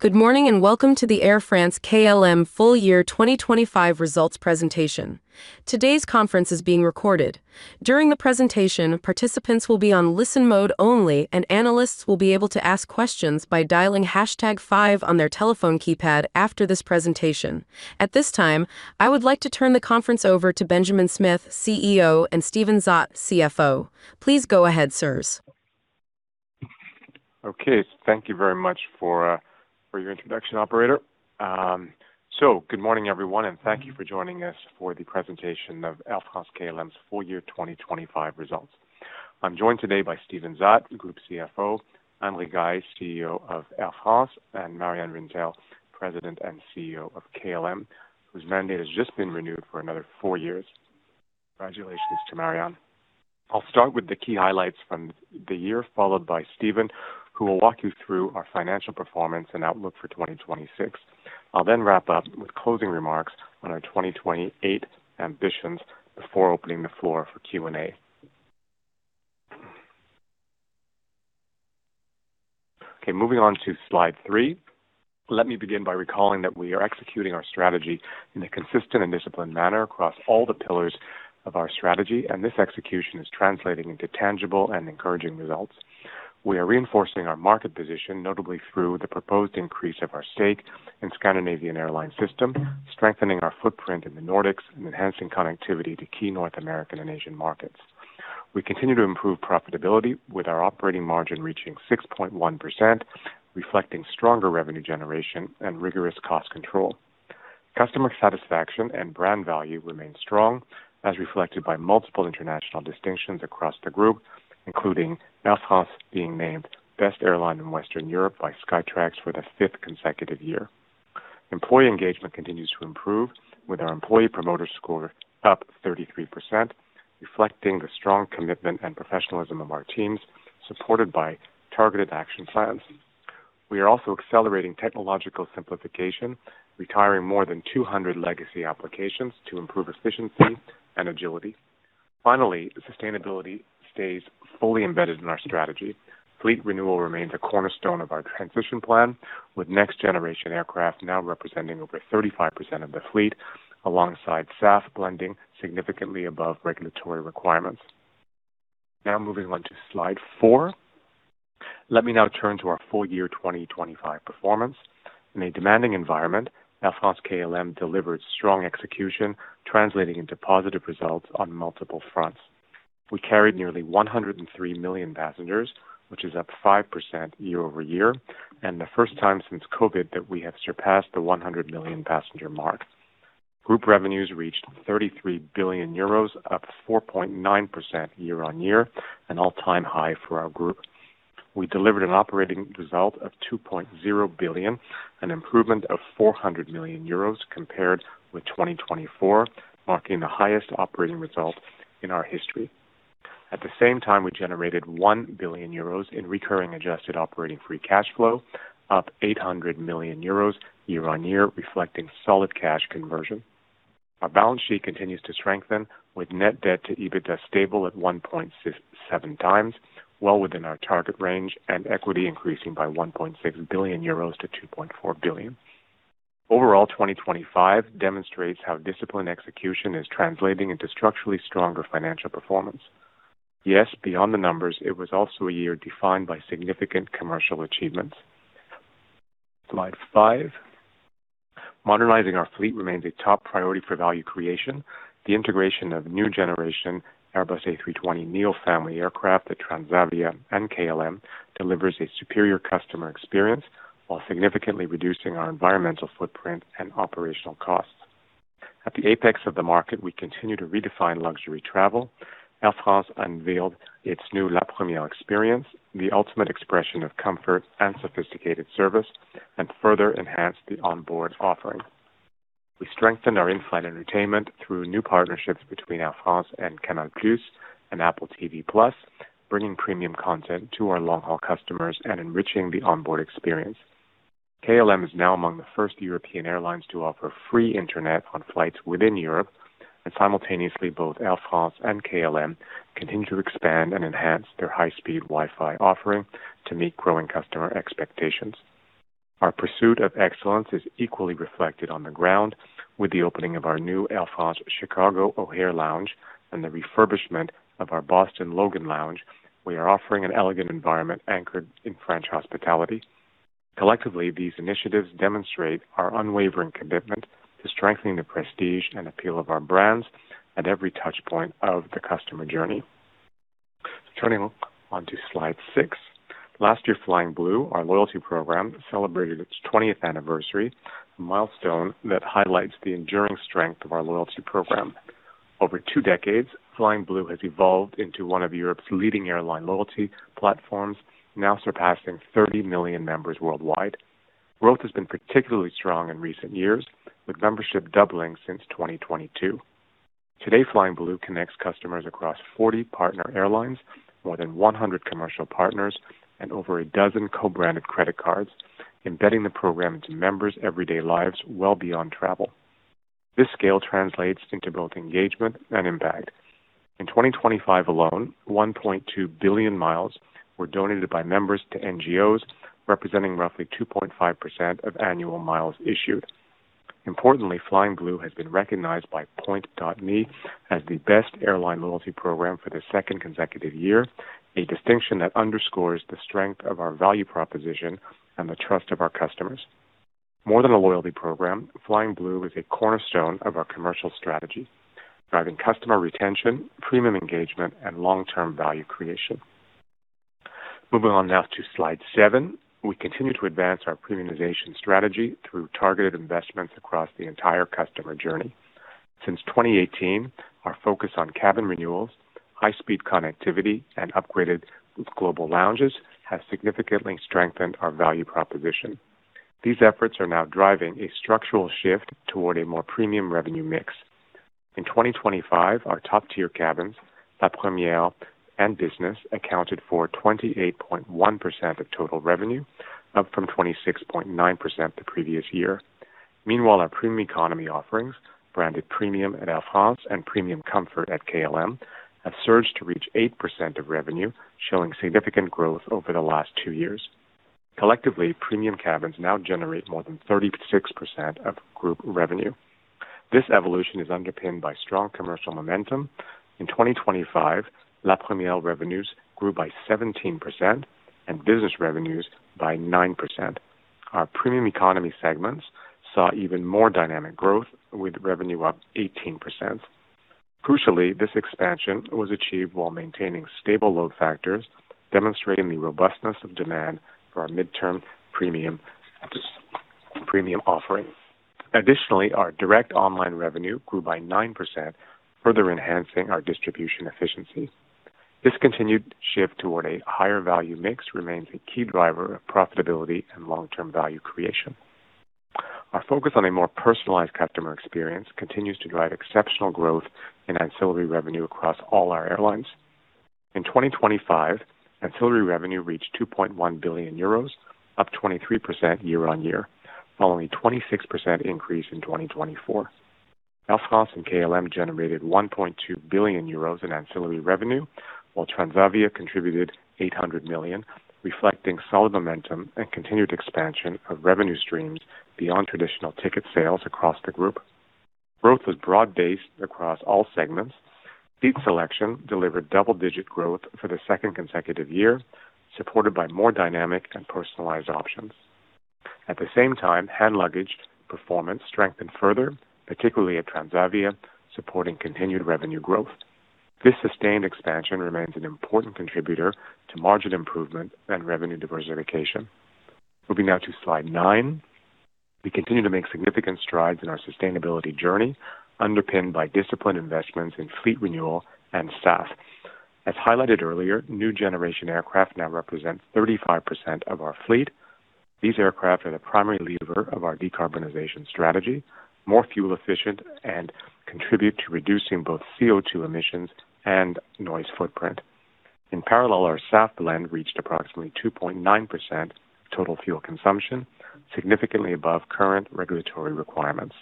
Good morning, and welcome to the Air France-KLM full year 2025 results presentation. Today's conference is being recorded. During the presentation, participants will be on listen mode only, and analysts will be able to ask questions by dialing hashtag five on their telephone keypad after this presentation. At this time, I would like to turn the conference over to Benjamin Smith, CEO, and Steven Zaat, CFO. Please go ahead, sirs. Okay. Thank you very much for for your introduction, operator. So good morning, everyone, and thank you for joining us for the presentation of Air France-KLM's full year 2025 results. I'm joined today by Steven Zaat, Group CFO, Anne Rigail, CEO of Air France, and Marjan Rintel, President and CEO of KLM, whose mandate has just been renewed for another four years. Congratulations to Marjan. I'll start with the key highlights from the year, followed by Steven, who will walk you through our financial performance and outlook for 2026. I'll then wrap up with closing remarks on our 2028 ambitions before opening the floor for Q&A. Okay, moving on to slide 3. Let me begin by recalling that we are executing our strategy in a consistent and disciplined manner across all the pillars of our strategy, and this execution is translating into tangible and encouraging results. We are reinforcing our market position, notably through the proposed increase of our stake in Scandinavian Airlines System, strengthening our footprint in the Nordics, and enhancing connectivity to key North American and Asian markets. We continue to improve profitability with our operating margin reaching 6.1%, reflecting stronger revenue generation and rigorous cost control. Customer satisfaction and brand value remain strong, as reflected by multiple international distinctions across the group, including Air France being named Best Airline in Western Europe by Skytrax for the fifth consecutive year. Employee engagement continues to improve, with our employee promoter score up 33%, reflecting the strong commitment and professionalism of our teams, supported by targeted action plans. We are also accelerating technological simplification, retiring more than 200 legacy applications to improve efficiency and agility. Finally, sustainability stays fully embedded in our strategy. Fleet renewal remains a cornerstone of our transition plan, with next generation aircraft now representing over 35% of the fleet, alongside SAF blending significantly above regulatory requirements. Now, moving on to slide 4. Let me now turn to our full year 2025 performance. In a demanding environment, Air France-KLM delivered strong execution, translating into positive results on multiple fronts. We carried nearly 103 million passengers, which is up 5% year-over-year, and the first time since COVID that we have surpassed the 100 million passenger mark. Group revenues reached 33 billion euros, up 4.9% year-on-year, an all-time high for our group. We delivered an operating result of 2.0 billion, an improvement of 400 million euros compared with 2024, marking the highest operating result in our history. At the same time, we generated 1 billion euros in recurring adjusted operating free cash flow, up 800 million euros year-on-year, reflecting solid cash conversion. Our balance sheet continues to strengthen, with net debt to EBITDA stable at 1.7x, well within our target range, and equity increasing by 1.6 billion euros to 2.4 billion. Overall, 2025 demonstrates how disciplined execution is translating into structurally stronger financial performance. Yes, beyond the numbers, it was also a year defined by significant commercial achievements. Slide 5. Modernizing our fleet remains a top priority for value creation. The integration of new generation Airbus A320neo family aircraft at Transavia and KLM delivers a superior customer experience while significantly reducing our environmental footprint and operational costs. At the apex of the market, we continue to redefine luxury travel. Air France unveiled its new La Première experience, the ultimate expression of comfort and sophisticated service, and further enhanced the onboard offering. We strengthened our in-flight entertainment through new partnerships between Air France and Canal+ and Apple TV+, bringing premium content to our long-haul customers and enriching the onboard experience. KLM is now among the first European airlines to offer free internet on flights within Europe, and simultaneously, both Air France and KLM continue to expand and enhance their high-speed Wi-Fi offering to meet growing customer expectations. Our pursuit of excellence is equally reflected on the ground. With the opening of our new Air France Chicago O'Hare Lounge and the refurbishment of our Boston Logan Lounge, we are offering an elegant environment anchored in French hospitality. Collectively, these initiatives demonstrate our unwavering commitment to strengthening the prestige and appeal of our brands at every touchpoint of the customer journey. Turning on to slide six. Last year, Flying Blue, our loyalty program, celebrated its 20th anniversary, a milestone that highlights the enduring strength of our loyalty program. Over two decades, Flying Blue has evolved into one of Europe's leading airline loyalty platforms, now surpassing 30 million members worldwide. Growth has been particularly strong in recent years, with membership doubling since 2022. Today, Flying Blue connects customers across 40 partner airlines, more than 100 commercial partners, and over a dozen co-branded credit cards, embedding the program into members' everyday lives well beyond travel. This scale translates into both engagement and impact. In 2025 alone, 1.2 billion miles were donated by members to NGOs, representing roughly 2.5% of annual miles issued. Importantly, Flying Blue has been recognized by Point.me as the best airline loyalty program for the second consecutive year, a distinction that underscores the strength of our value proposition and the trust of our customers. More than a loyalty program, Flying Blue is a cornerstone of our commercial strategy, driving customer retention, premium engagement, and long-term value creation. Moving on now to slide 7. We continue to advance our premiumization strategy through targeted investments across the entire customer journey. Since 2018, our focus on cabin renewals, high-speed connectivity, and upgraded global lounges has significantly strengthened our value proposition. These efforts are now driving a structural shift toward a more premium revenue mix. In 2025, our top-tier cabins, La Première and Business, accounted for 28.1% of total revenue, up from 26.9% the previous year. Meanwhile, our premium economy offerings, branded Premium at Air France and Premium Comfort at KLM, have surged to reach 8% of revenue, showing significant growth over the last two years. Collectively, premium cabins now generate more than 36% of group revenue. This evolution is underpinned by strong commercial momentum. In 2025, La Première revenues grew by 17% and business revenues by 9%. Our premium economy segments saw even more dynamic growth, with revenue up 18%. Crucially, this expansion was achieved while maintaining stable load factors, demonstrating the robustness of demand for our midterm premium, premium offering. Additionally, our direct online revenue grew by 9%, further enhancing our distribution efficiency. This continued shift toward a higher value mix remains a key driver of profitability and long-term value creation. Our focus on a more personalized customer experience continues to drive exceptional growth in ancillary revenue across all our airlines. In 2025, ancillary revenue reached 2.1 billion euros, up 23% year-on-year, following 26% increase in 2024. Air France and KLM generated 1.2 billion euros in ancillary revenue, while Transavia contributed 800 million, reflecting solid momentum and continued expansion of revenue streams beyond traditional ticket sales across the group. Growth was broad-based across all segments. Seat selection delivered double-digit growth for the second consecutive year, supported by more dynamic and personalized options. At the same time, hand luggage performance strengthened further, particularly at Transavia, supporting continued revenue growth. This sustained expansion remains an important contributor to margin improvement and revenue diversification. Moving now to slide 9. We continue to make significant strides in our sustainability journey, underpinned by disciplined investments in fleet renewal and staff. As highlighted earlier, new generation aircraft now represent 35% of our fleet. These aircraft are the primary lever of our decarbonization strategy, more fuel efficient, and contribute to reducing both CO2 emissions and noise footprint. In parallel, our SAF blend reached approximately 2.9% total fuel consumption, significantly above current regulatory requirements.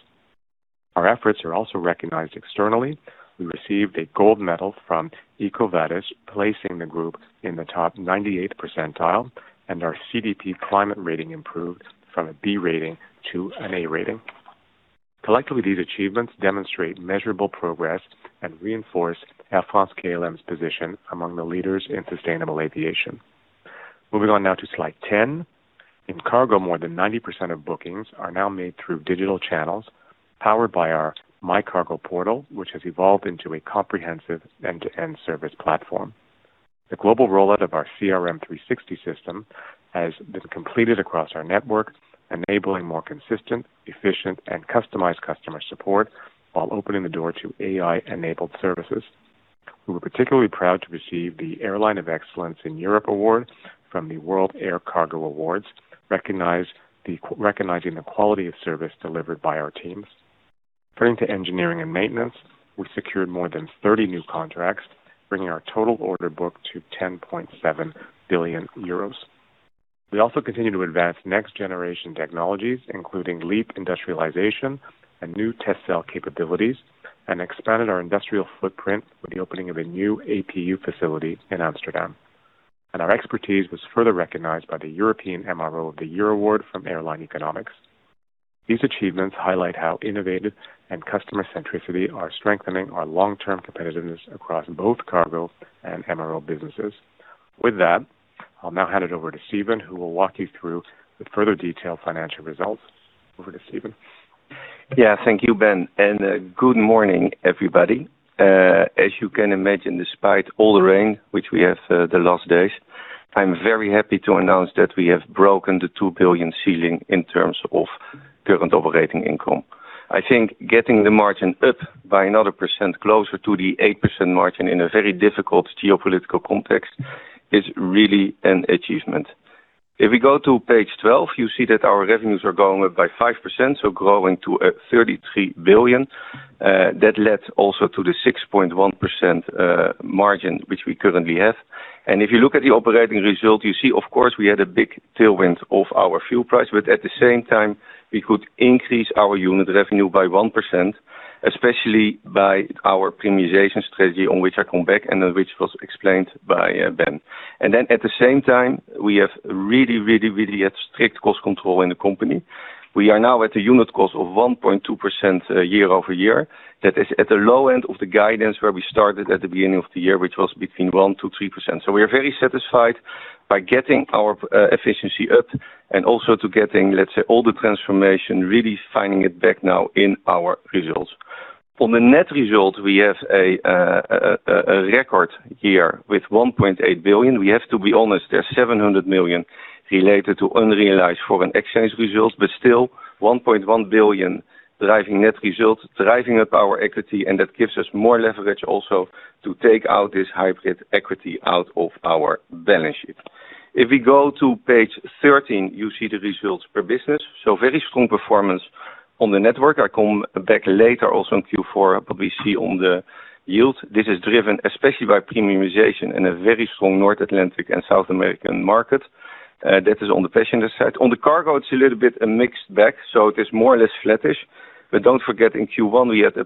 Our efforts are also recognized externally. We received a gold medal from EcoVadis, placing the group in the top 98 percentile, and our CDP climate rating improved from a B rating to an A rating. Collectively, these achievements demonstrate measurable progress and reinforce Air France-KLM's position among the leaders in sustainable aviation. Moving on now to slide 10. In cargo, more than 90% of bookings are now made through digital channels powered by our myCargo portal, which has evolved into a comprehensive end-to-end service platform. The global rollout of our CRM 360 system has been completed across our network, enabling more consistent, efficient, and customized customer support while opening the door to AI-enabled services. We were particularly proud to receive the Airline of Excellence in Europe award from the World Air Cargo Awards, recognizing the quality of service delivered by our teams. Turning to engineering and maintenance, we secured more than 30 new contracts, bringing our total order book to 10.7 billion euros. We also continued to advance next-generation technologies, including LEAP industrialization and new test cell capabilities, and expanded our industrial footprint with the opening of a new APU facility in Amsterdam. Our expertise was further recognized by the European MRO of the Year award from Airline Economics. These achievements highlight how innovative and customer centricity are strengthening our long-term competitiveness across both cargo and MRO businesses. With that, I'll now hand it over to Steven, who will walk you through the further detailed financial results. Over to Steven. Yeah. Thank you, Ben, and good morning, everybody. As you can imagine, despite all the rain which we have the last days, I'm very happy to announce that we have broken the 2 billion ceiling in terms of current operating income. I think getting the margin up by another percent, closer to the 8% margin in a very difficult geopolitical context is really an achievement. If we go to page 12, you see that our revenues are going up by 5%, so growing to 33 billion. That led also to the 6.1% margin, which we currently have. If you look at the operating result, you see, of course, we had a big tailwind of our fuel price, but at the same time, we could increase our unit revenue by 1%, especially by our premiumization strategy, on which I come back and which was explained by Ben. Then at the same time, we have really, really, really strict cost control in the company. We are now at a unit cost of 1.2%, year-over-year. That is at the low end of the guidance where we started at the beginning of the year, which was between 1%-3%. So we are very satisfied by getting our, efficiency up and also to getting, let's say, all the transformation, really finding it back now in our results. On the net results, we have a record year with 1.8 billion. We have to be honest, there are 700 million related to unrealized foreign exchange results, but still 1.1 billion driving net results, driving up our equity, and that gives us more leverage also to take out this hybrid equity out of our balance sheet. If we go to page 13, you see the results per business. So very strong performance on the network. I come back later, also in Q4, but we see on the yield, this is driven especially by premiumization and a very strong North Atlantic and South American market. That is on the passenger side. On the cargo, it's a little bit a mixed bag, so it is more or less flattish. But don't forget, in Q1, we had a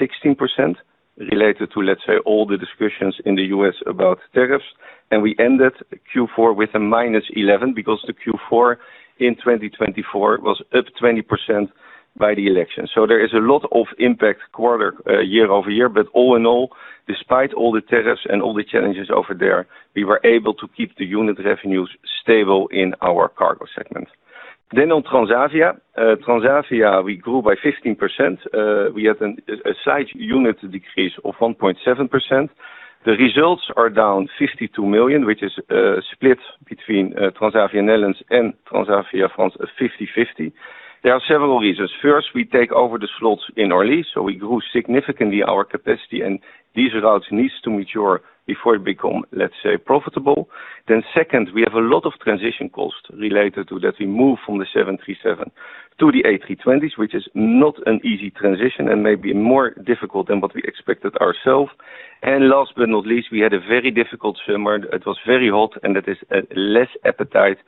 +16% related to, let's say, all the discussions in the U.S. about tariffs, and we ended Q4 with a -11%, because the Q4 in 2024 was up 20% by the election. So there is a lot of impact quarter year-over-year. But all in all, despite all the tariffs and all the challenges over there, we were able to keep the unit revenues stable in our cargo segment. Then on Transavia. Transavia, we grew by 15%, we have an, a slight unit decrease of 1.7%. The results are down 62 million, which is, split between, Transavia Netherlands and Transavia France, 50/50. There are several reasons. First, we take over the slots in our lease, so we grew significantly our capacity, and these routes needs to mature before it become, let's say, profitable. Then second, we have a lot of transition costs related to that. We move from the 737 to the A320s, which is not an easy transition and may be more difficult than what we expected ourselves. And last but not least, we had a very difficult summer. It was very hot, and it is less appetite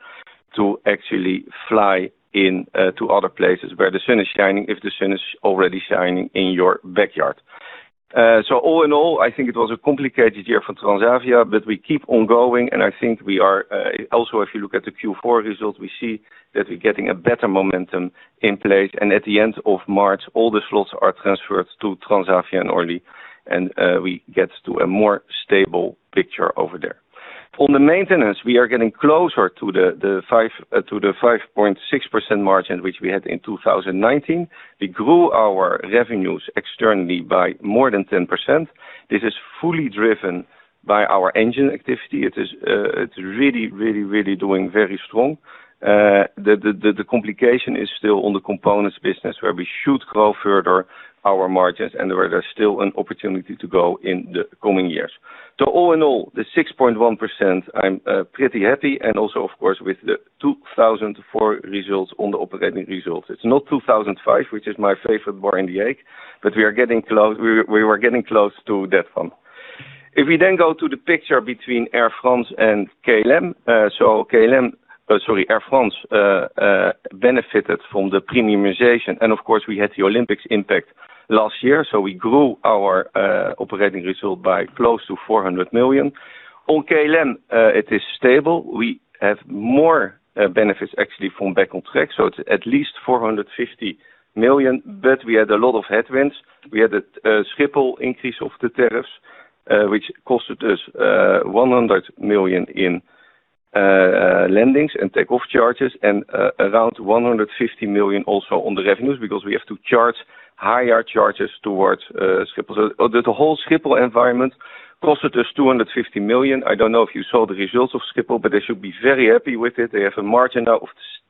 to actually fly in to other places where the sun is shining, if the sun is already shining in your backyard. So all in all, I think it was a complicated year for Transavia, but we keep on going, and I think we are also, if you look at the Q4 results, we see that we're getting a better momentum in place. And at the end of March, all the slots are transferred to Transavia and Orly, and we get to a more stable picture over there. On the maintenance, we are getting closer to the 5.6% margin, which we had in 2019. We grew our revenues externally by more than 10%. This is fully driven by our engine activity. It is, it's really, really, really doing very strong. The complication is still on the components business, where we should grow further our margins and where there's still an opportunity to go in the coming years. So all in all, the 6.1%, I'm pretty happy and also of course with the 2004 results on the operating results. It's not 2005, which is my favorite bar in the egg, but we are getting close. We were getting close to that one. If we then go to the picture between Air France and KLM. So KLM, sorry, Air France benefited from the premiumization. And of course, we had the Olympics impact last year, so we grew our operating result by close to 400 million. On KLM, it is stable. We have more, actually, benefits from Back on Track, so it's at least 450 million, but we had a lot of headwinds. We had a Schiphol increase of the tariffs, which costed us 100 million in landings and takeoff charges and around 150 million also on the revenues, because we have to charge higher charges towards Schiphol. The whole Schiphol environment cost us 250 million. I don't know if you saw the results of Schiphol, but they should be very happy with it. They have a margin of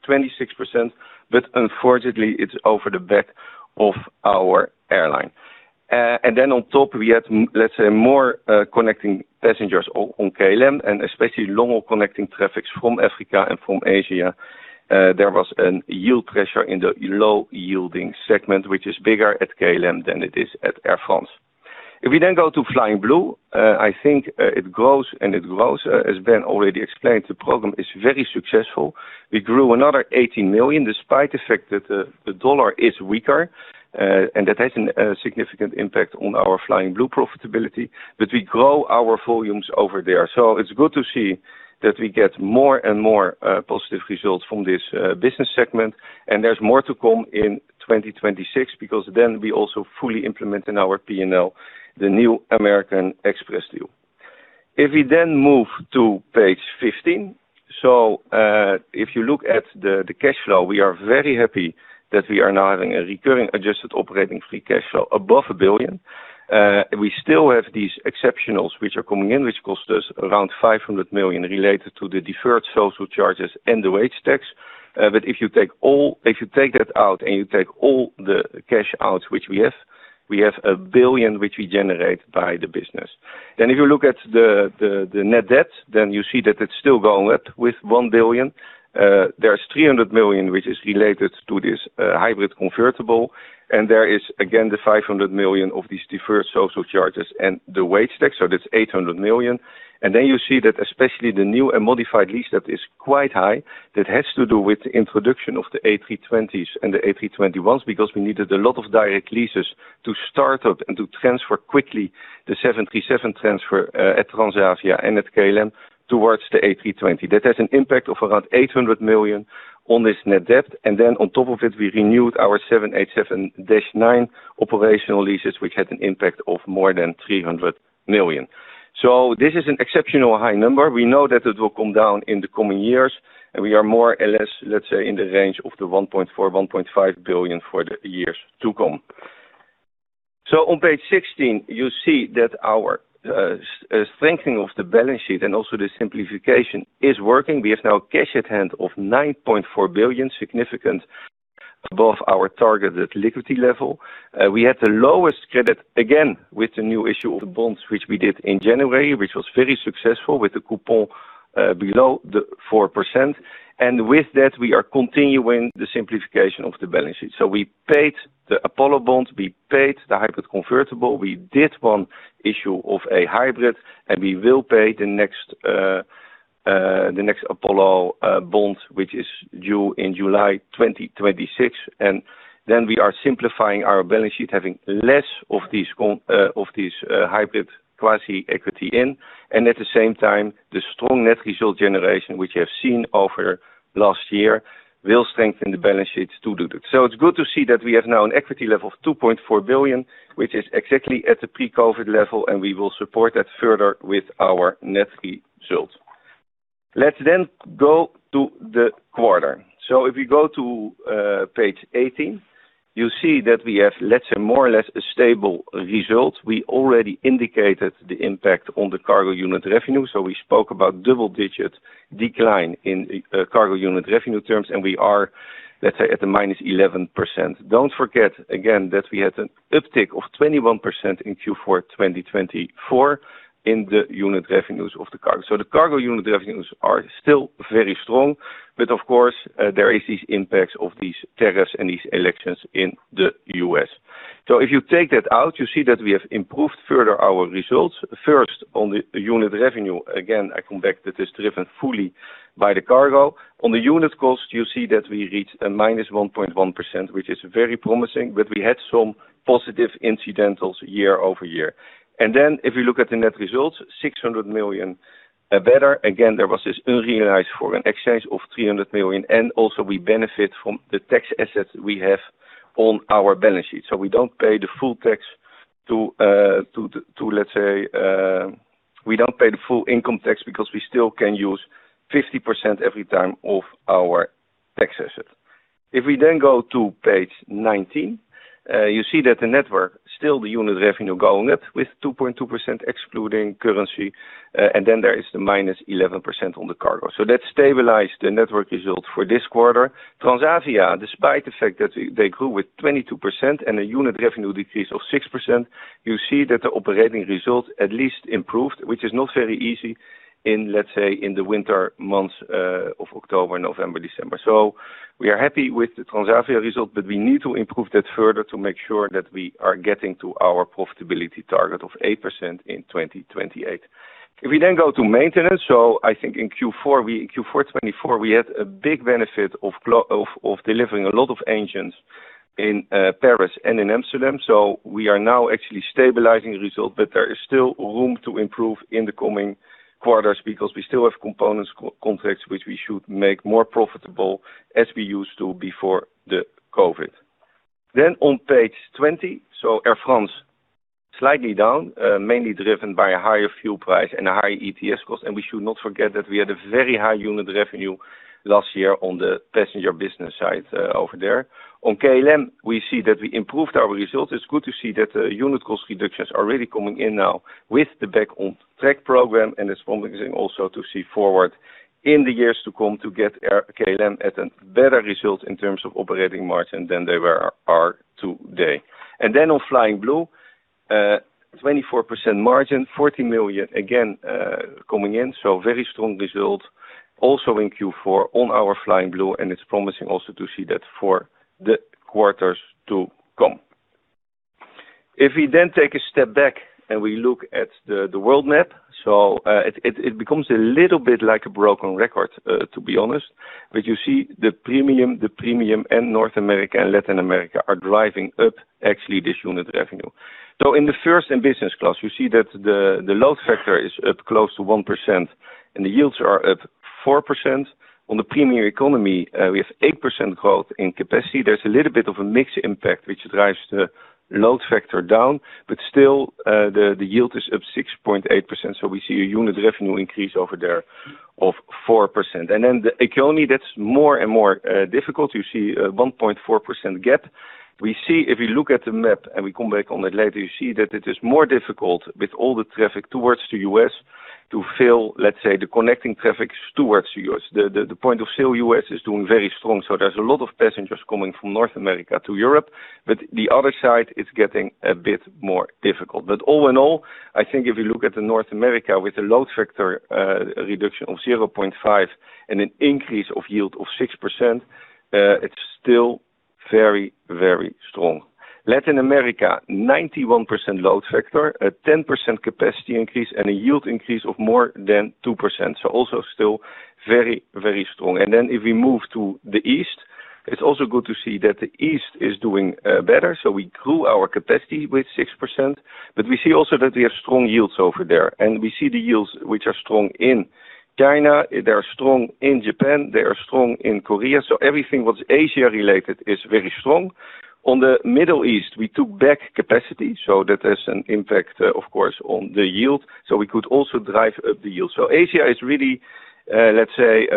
26%, but unfortunately, it's over the back of our airline. And then on top, we had, let's say, more connecting passengers on KLM and especially long-haul connecting traffics from Africa and from Asia. There was a yield pressure in the low-yielding segment, which is bigger at KLM than it is at Air France. If we then go to Flying Blue, I think it grows and it grows. As Ben already explained, the program is very successful. We grew another 18 million, despite the fact that the dollar is weaker, and that has a significant impact on our Flying Blue profitability, but we grow our volumes over there. So it's good to see that we get more and more positive results from this business segment. And there's more to come in 2026, because then we also fully implement in our P&L the new American Express deal. If we then move to page 15, so if you look at the cash flow, we are very happy that we are now having a recurring adjusted operating free cash flow above 1 billion. We still have these exceptionals which are coming in, which cost us around 500 million related to the deferred social charges and the wage tax. But if you take that out and you take all the cash out, which we have, we have 1 billion, which we generate by the business. And if you look at the net debt, then you see that it's still going up with 1 billion. There's 300 million, which is related to this hybrid convertible, and there is, again, the 500 million of these deferred social charges and the wage tax, so that's 800 million. Then you see that especially the new and modified lease, that is quite high, that has to do with the introduction of the A320s and the A321s, because we needed a lot of direct leases to start up and to transfer quickly the 737 transfer at Transavia and at KLM towards the A320. That has an impact of around 800 million on this net debt, and then on top of it, we renewed our 787-9 operational leases, which had an impact of more than 300 million. So this is an exceptional high number. We know that it will come down in the coming years, and we are more or less, let's say, in the range of 1.4 billion-1.5 billion for the years to come. So on page 16, you see that our strengthening of the balance sheet and also the simplification is working. We have now cash at hand of 9.4 billion, significant above our targeted liquidity level. We had the lowest credit, again, with the new issue of the bonds, which we did in January, which was very successful with the coupon below the 4%. And with that, we are continuing the simplification of the balance sheet. So we paid the Apollo bonds, we paid the hybrid convertible, we did one issue of a hybrid, and we will pay the next Apollo bond, which is due in July 2026. Then we are simplifying our balance sheet, having less of these hybrid quasi-equity in, and at the same time, the strong net result generation, which you have seen over last year, will strengthen the balance sheets to do that. So it's good to see that we have now an equity level of 2.4 billion, which is exactly at the pre-COVID level, and we will support that further with our net results. Let's then go to the quarter. So if you go to page 18, you see that we have, let's say, more or less a stable result. We already indicated the impact on the cargo unit revenue, so we spoke about double-digit decline in cargo unit revenue terms, and we are, let's say, at -11%. Don't forget, again, that we had an uptick of 21% in Q4 2024 in the unit revenues of the cargo. So the cargo unit revenues are still very strong, but of course, there is these impacts of these tariffs and these elections in the U.S. So if you take that out, you see that we have improved further our results, first on the unit revenue. Again, I come back, that is driven fully by the cargo. On the unit cost, you see that we reached a -1.1%, which is very promising, but we had some positive incidentals year-over-year. And then, if you look at the net results, 600 million better. Again, there was this unrealized foreign exchange of 300 million, and also we benefit from the tax assets we have on our balance sheet. So we don't pay the full tax to, let's say, we don't pay the full income tax because we still can use 50% every time of our tax assets. If we then go to page 19, you see that the network, still the unit revenue going up with 2.2%, excluding currency, and then there is the -11% on the cargo. So that stabilized the network result for this quarter. Transavia, despite the fact that they grew with 22% and a unit revenue decrease of 6%, you see that the operating results at least improved, which is not very easy in, let's say, in the winter months, of October, November, December. So we are happy with the Transavia result, but we need to improve that further to make sure that we are getting to our profitability target of 8% in 2028. If we then go to maintenance, so I think in Q4 2024, we had a big benefit of delivering a lot of engines in Paris and in Amsterdam. So we are now actually stabilizing results, but there is still room to improve in the coming quarters because we still have components, contracts, which we should make more profitable as we used to before the COVID. Then on page 20, so Air France, slightly down, mainly driven by a higher fuel price and a higher ETS cost, and we should not forget that we had a very high unit revenue last year on the passenger business side, over there. On KLM, we see that we improved our results. It's good to see that the unit cost reductions are really coming in now with the Back on Track program, and it's promising also to see forward in the years to come to get Air France-KLM at a better result in terms of operating margin than they are today. And then on Flying Blue, 24% margin, 40 million, again, coming in. So very strong results also in Q4 on our Flying Blue, and it's promising also to see that for the quarters to come. If we then take a step back and we look at the world map, so it becomes a little bit like a broken record, to be honest. But you see the premium, the premium in North America and Latin America are driving up actually this unit revenue. So in the First and Business class, you see that the load factor is up close to 1%, and the yields are up 4%. On the premium economy, we have 8% growth in capacity. There's a little bit of a mix impact which drives the load factor down, but still, the yield is up 6.8%, so we see a unit revenue increase over there of 4%. And then the economy, that's more and more difficult. You see a 1.4% gap. We see if you look at the map, and we come back on it later, you see that it is more difficult with all the traffic towards the U.S. to fill, let's say, the connecting traffic towards U.S. The point of sale U.S. is doing very strong, so there's a lot of passengers coming from North America to Europe, but the other side is getting a bit more difficult. But all in all, I think if you look at the North America with a load factor reduction of 0.5 and an increase of yield of 6%, it's still very, very strong. Latin America, 91% load factor, a 10% capacity increase, and a yield increase of more than 2%. So also still very, very strong. And then if we move to the east, it's also good to see that the East is doing better. So we grew our capacity with 6%, but we see also that we have strong yields over there. We see the yields, which are strong in China, they are strong in Japan, they are strong in Korea. So everything what's Asia-related is very strong. On the Middle East, we took back capacity, so that has an impact, of course, on the yield, so we could also drive up the yield. So Asia is really, let's say,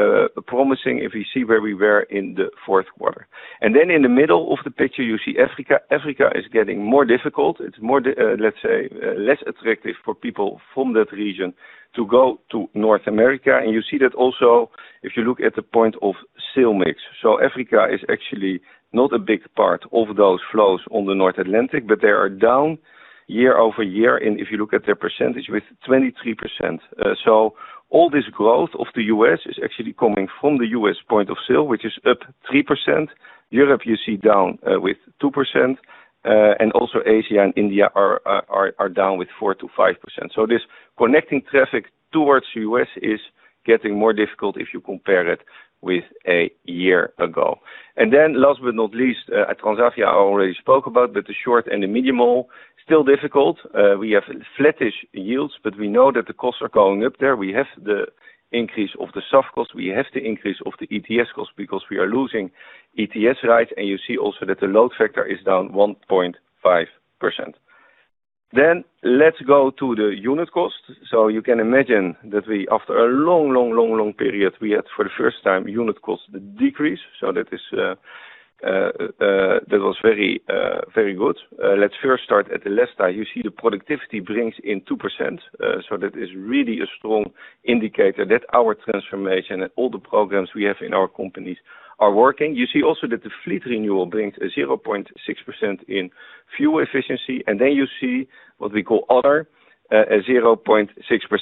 promising if you see where we were in the fourth quarter. And then in the middle of the picture, you see Africa. Africa is getting more difficult. It's less attractive for people from that region to go to North America. And you see that also if you look at the point of sale mix. Africa is actually not a big part of those flows on the North Atlantic, but they are down year-over-year, and if you look at their percentage, with 23%. So all this growth of the U.S. is actually coming from the U.S. point of sale, which is up 3%. Europe, you see, down, with 2%, and also Asia and India are down with 4%-5%. So this connecting traffic towards U.S. is getting more difficult if you compare it with a year ago. And then last but not least, at Transavia, I already spoke about, but the short and the medium haul, still difficult. We have flattish yields, but we know that the costs are going up there. We have the increase of the soft cost, we have the increase of the ETS cost because we are losing ETS rights, and you see also that the load factor is down 1.5%. Then let's go to the unit cost. So you can imagine that we, after a long, long, long, long period, we had, for the first time, unit costs decrease, so that is, that was very, very good. Let's first start at the left side. You see the productivity brings in 2%, so that is really a strong indicator that our transformation and all the programs we have in our companies are working. You see also that the fleet renewal brings a 0.6% in fuel efficiency, and then you see what we call other, a 0.6%.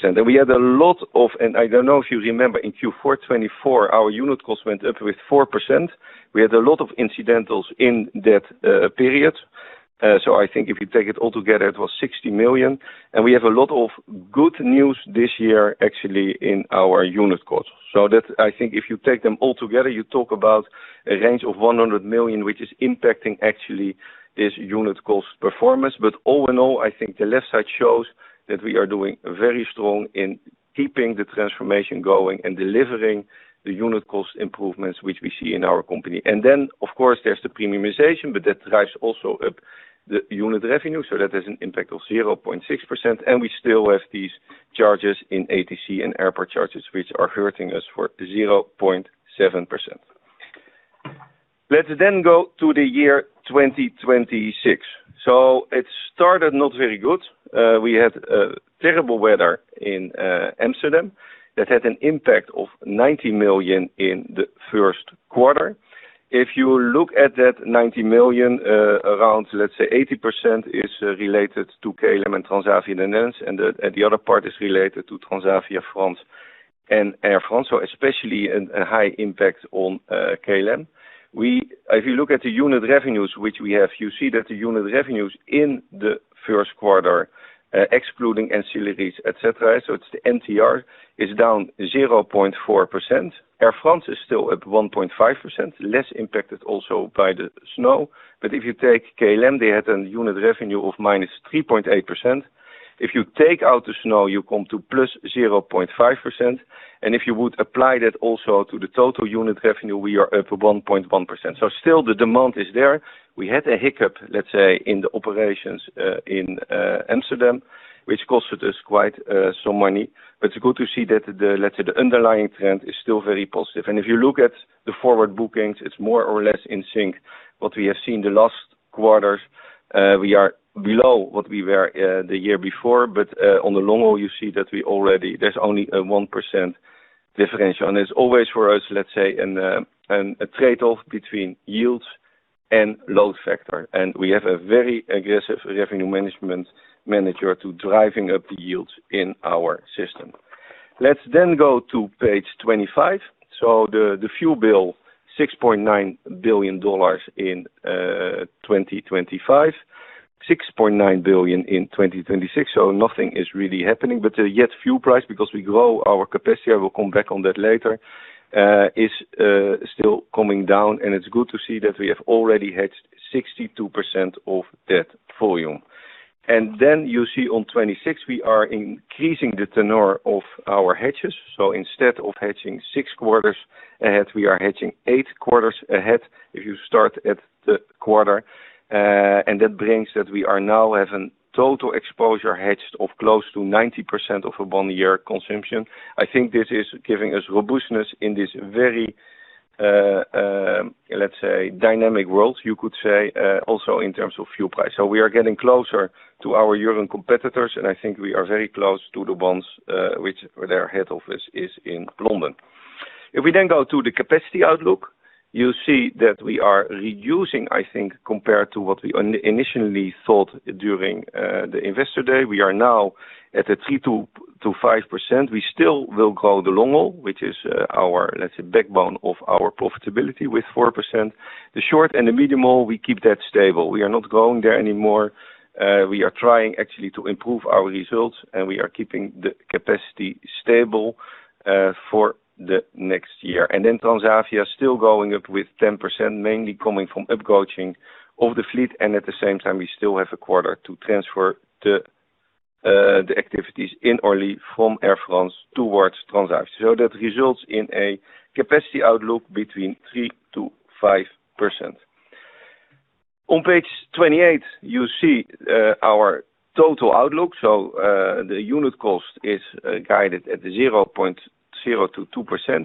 I don't know if you remember, in Q4 2024, our unit cost went up with 4%. We had a lot of incidentals in that period, so I think if you take it all together, it was 60 million. And we have a lot of good news this year, actually, in our unit costs. So that's, I think if you take them all together, you talk about a range of 100 million, which is impacting actually this unit cost performance. But all in all, I think the left side shows that we are doing very strong in keeping the transformation going and delivering the unit cost improvements, which we see in our company. And then, of course, there's the premiumization, but that drives also up the unit revenue, so that has an impact of 0.6%, and we still have these charges in ATC and airport charges, which are hurting us for 0.7%. Let's then go to the year 2026. So it started not very good. We had terrible weather in Amsterdam. That had an impact of 90 million in the first quarter. If you look at that 90 million, around, let's say, 80% is related to KLM and Transavia Netherlands, and the other part is related to Transavia France and Air France, so especially a high impact on KLM. If you look at the unit revenues, which we have, you see that the unit revenues in the first quarter, excluding ancillaries, et cetera, so it's the NTR, is down 0.4%. Air France is still at 1.5%, less impacted also by the snow. But if you take KLM, they had a unit revenue of -3.8%. If you take out the snow, you come to +0.5%, and if you would apply that also to the total unit revenue, we are up to 1.1%. So still the demand is there. We had a hiccup, let's say, in the operations, in Amsterdam, which cost us quite some money, but it's good to see that the, let's say, the underlying trend is still very positive. If you look at the forward bookings, it's more or less in sync. What we have seen the last quarters, we are below what we were, the year before, but, on the long haul, you see that there's only a 1% differential. There's always for us, let's say, a trade-off between yields and load factor, and we have a very aggressive revenue management manager to driving up the yields in our system. Let's then go to page 25. So the fuel bill, $6.9 billion in 2025, $6.9 billion in 2026, so nothing is really happening. But the jet fuel price, because we grow our capacity, I will come back on that later, is still coming down, and it's good to see that we have already hedged 62% of that volume. And then you see on 2026, we are increasing the tenure of our hedges, so instead of hedging 6 quarters ahead, we are hedging 8 quarters ahead, if you start at the quarter. And that brings that we are now at a total exposure hedged of close to 90% of a 1-year consumption. I think this is giving us robustness in this very, let's say dynamic world, you could say, also in terms of fuel price. So we are getting closer to our European competitors, and I think we are very close to the ones which their head office is in London. If we then go to the capacity outlook, you see that we are reducing, I think, compared to what we initially thought during the Investor Day. We are now at a 3%-5%. We still will grow the long-haul, which is, our, let's say, backbone of our profitability with 4%. The short and the medium haul, we keep that stable. We are not growing there anymore. We are trying actually to improve our results, and we are keeping the capacity stable, for the next year. And then Transavia is still going up with 10%, mainly coming from upgauging of the fleet, and at the same time, we still have a quarter to transfer the activities in Orly from Air France towards Transavia. So that results in a capacity outlook between 3%-5%. On page 28, you see, our total outlook. So, the unit cost is guided at the 0.0%-2%,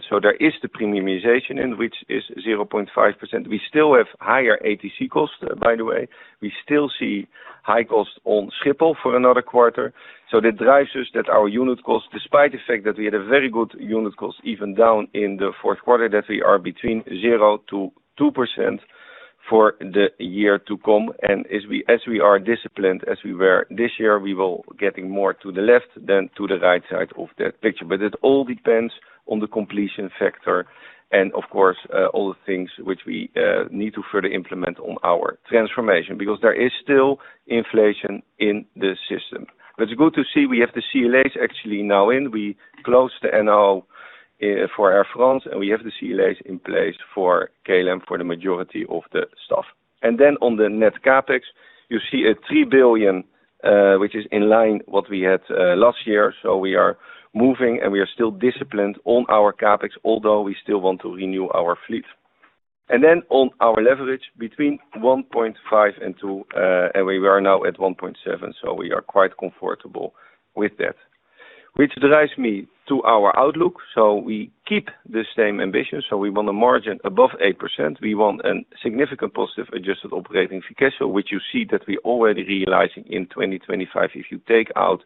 so there is the premiumization, and which is 0.5%. We still have higher ATC costs, by the way. We still see high costs on Schiphol for another quarter. So that drives us that our unit costs, despite the fact that we had a very good unit cost, even down in the fourth quarter, that we are between 0%-2% for the year to come. And as we, as we are disciplined, as we were this year, we will getting more to the left than to the right side of that picture. But it all depends on the completion factor and, of course, all the things which we need to further implement on our transformation, because there is still inflation in the system. But it's good to see we have the CLAs actually now in. We closed the NAO for Air France, and we have the CLAs in place for KLM for the majority of the staff. And then on the net CapEx, you see 3 billion, which is in line what we had last year. So we are moving, and we are still disciplined on our CapEx, although we still want to renew our fleet. And then on our leverage between 1.5x and 2x, and we are now at 1.7x, so we are quite comfortable with that. Which drives me to our outlook. So we keep the same ambition. So we want a margin above 8%. We want a significant positive adjusted operating free cash flow, which you see that we already realizing in 2025. If you take out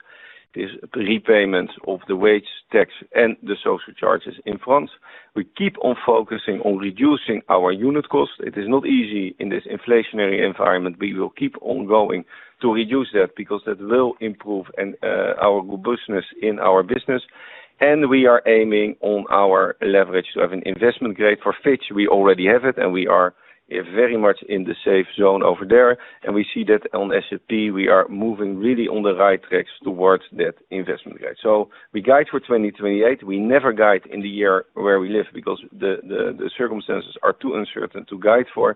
these repayments of the wage tax and the social charges in France, we keep on focusing on reducing our unit costs. It is not easy in this inflationary environment. We will keep on going to reduce that because that will improve and our robustness in our business, and we are aiming on our leverage to have an investment grade. For Fitch, we already have it, and we are very much in the safe zone over there, and we see that on S&P, we are moving really on the right tracks towards that investment grade. So we guide for 2028. We never guide in the year where we live because the circumstances are too uncertain to guide for,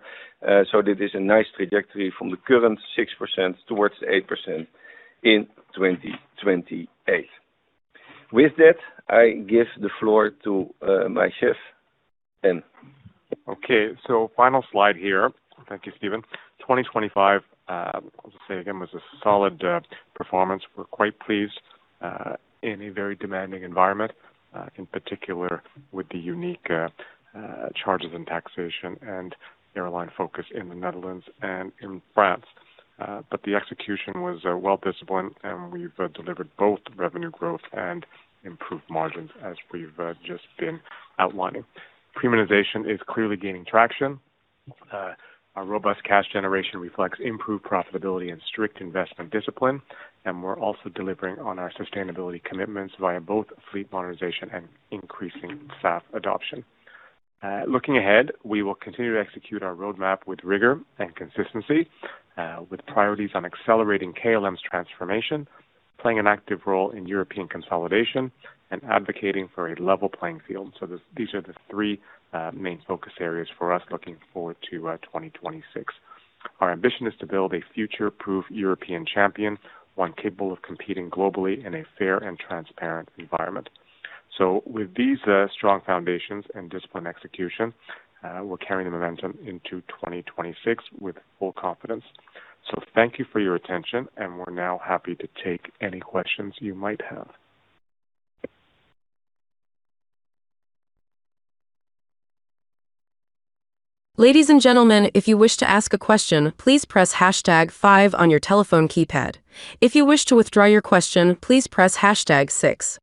so that is a nice trajectory from the current 6% towards 8% in 2028. With that, I give the floor to my chief, Ben. Okay, so final slide here. Thank you, Steven. 2025, I'll just say again, was a solid performance. We're quite pleased in a very demanding environment, in particular with the unique charges and taxation and airline focus in the Netherlands and in France. But the execution was well disciplined, and we've delivered both revenue growth and improved margins, as we've just been outlining. Premiumization is clearly gaining traction. Our robust cash generation reflects improved profitability and strict investment discipline, and we're also delivering on our sustainability commitments via both fleet modernization and increasing SAF adoption. Looking ahead, we will continue to execute our roadmap with rigor and consistency, with priorities on accelerating KLM's transformation, playing an active role in European consolidation, and advocating for a level playing field. So these are the three main focus areas for us looking forward to 2026. Our ambition is to build a future-proof European champion, one capable of competing globally in a fair and transparent environment. So with these strong foundations and disciplined execution, we're carrying the momentum into 2026 with full confidence. So thank you for your attention, and we're now happy to take any questions you might have. Ladies and gentlemen, if you wish to ask a question, please press hashtag five on your telephone keypad. If you wish to withdraw your question, please press hashtag six.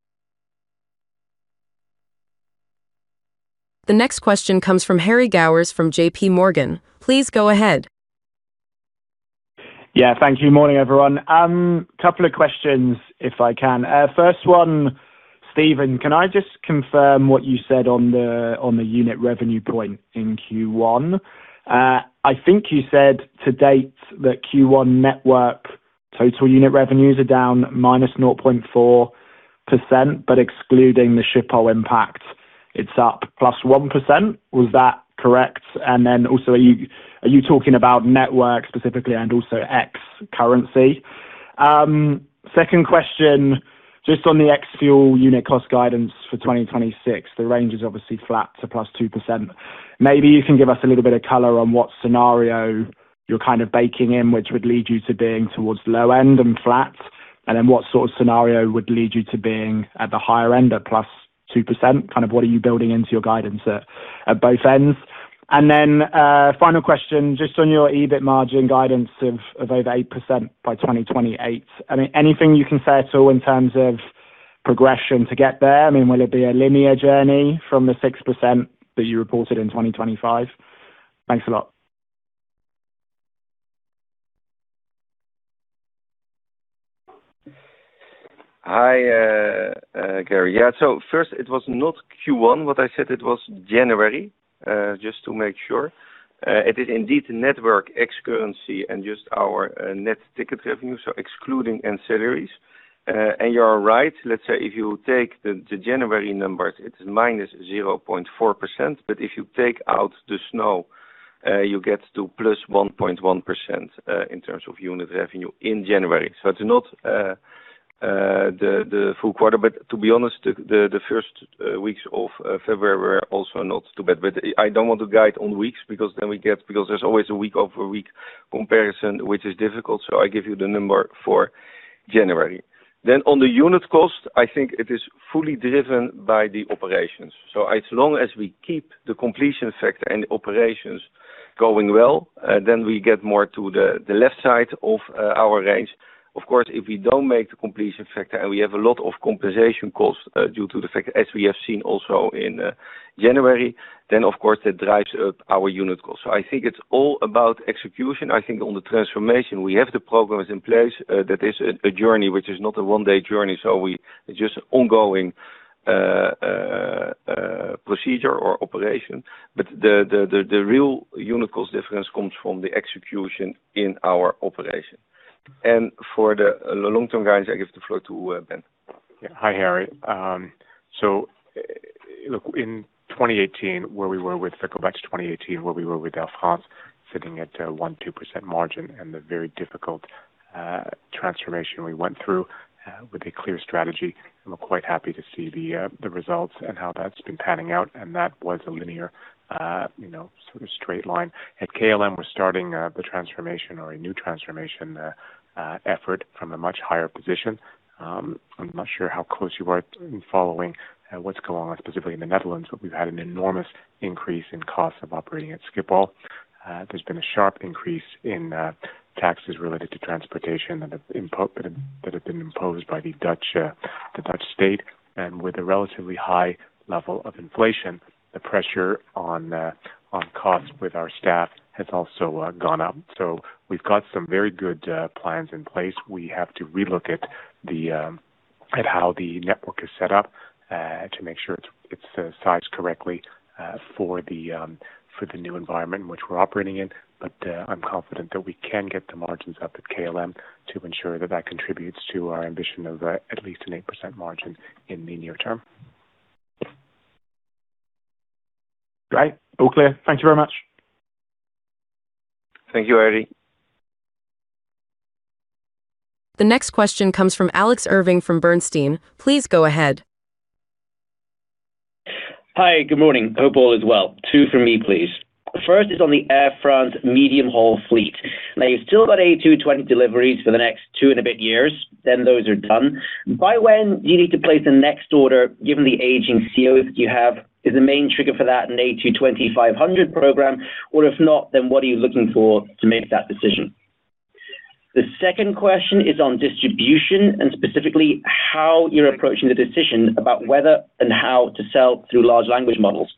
The next question comes from Harry Gowers, from JPMorgan. Please go ahead. Yeah, thank you. Morning, everyone. Couple of questions, if I can. First one, Steven, can I just confirm what you said on the, on the unit revenue point in Q1? I think you said to date that Q1 network total unit revenues are down -0.4%, but excluding the Schiphol impact, it's up +1%. Was that correct? And then also, are you, are you talking about network specifically and also ex-currency? Second question, just on the ex-fuel unit cost guidance for 2026, the range is obviously flat to +2%. Maybe you can give us a little bit of color on what scenario you're kind of baking in, which would lead you to being towards low end and flat? And then what sort of scenario would lead you to being at the higher end of +2%? Kind of what are you building into your guidance at, at both ends? And then, final question, just on your EBIT margin guidance of, of over 8% by 2028. I mean, anything you can say at all in terms of progression to get there? I mean, will it be a linear journey from the 6% that you reported in 2025? Thanks a lot. Hi, Harry. Yeah, so first, it was not Q1. What I said, it was January. Just to make sure, it is indeed network ex currency and just our net ticket revenue, so excluding ancillaries. And you are right. Let's say if you take the January numbers, it's -0.4%, but if you take out the snow, you get to +1.1%, in terms of unit revenue in January. So it's not the full quarter, but to be honest, the first weeks of February were also not too bad. But I don't want to guide on weeks because then we get because there's always a week-over-week comparison, which is difficult, so I give you the number for January. Then on the unit cost, I think it is fully driven by the operations. So as long as we keep the completion factor and the operations going well, then we get more to the left side of our range. Of course, if we don't make the completion factor and we have a lot of compensation costs, due to the fact, as we have seen also in January, then of course that drives up our unit cost. So I think it's all about execution. I think on the transformation, we have the programs in place. That is a journey which is not a one-day journey, so we just ongoing procedure or operation. But the real unit cost difference comes from the execution in our operation. And for the long-term guys, I give the floor to Ben. Yeah. Hi, Harry. So look, in 2018, where we were with, if I go back to 2018, where we were with Air France, sitting at a 1.2% margin and the very difficult transformation we went through, with a clear strategy, and we're quite happy to see the results and how that's been panning out, and that was a linear, you know, sort of straight line. At KLM, we're starting the transformation or a new transformation effort from a much higher position. I'm not sure how close you are in following what's going on, specifically in the Netherlands, but we've had an enormous increase in costs of operating at Schiphol. There's been a sharp increase in taxes related to transportation that have been imposed by the Dutch, the Dutch state, and with a relatively high level of inflation, the pressure on costs with our staff has also gone up. So we've got some very good plans in place. We have to relook at how the network is set up to make sure it's sized correctly for the new environment in which we're operating in. But, I'm confident that we can get the margins up at KLM to ensure that that contributes to our ambition of at least an 8% margin in the near term. Great. All clear. Thank you very much. Thank you, Harry. The next question comes from Alex Irving from Bernstein. Please go ahead. Hi, good morning. Hope all is well. Two for me, please. First is on the Air France medium-haul fleet. Now, you've still got A220 deliveries for the next two and a bit years, then those are done. By when do you need to place the next order, given the aging ACs you have? Is the main trigger for that an A220-500 program? Or if not, then what are you looking for to make that decision? The second question is on distribution, and specifically how you're approaching the decision about whether and how to sell through large language models.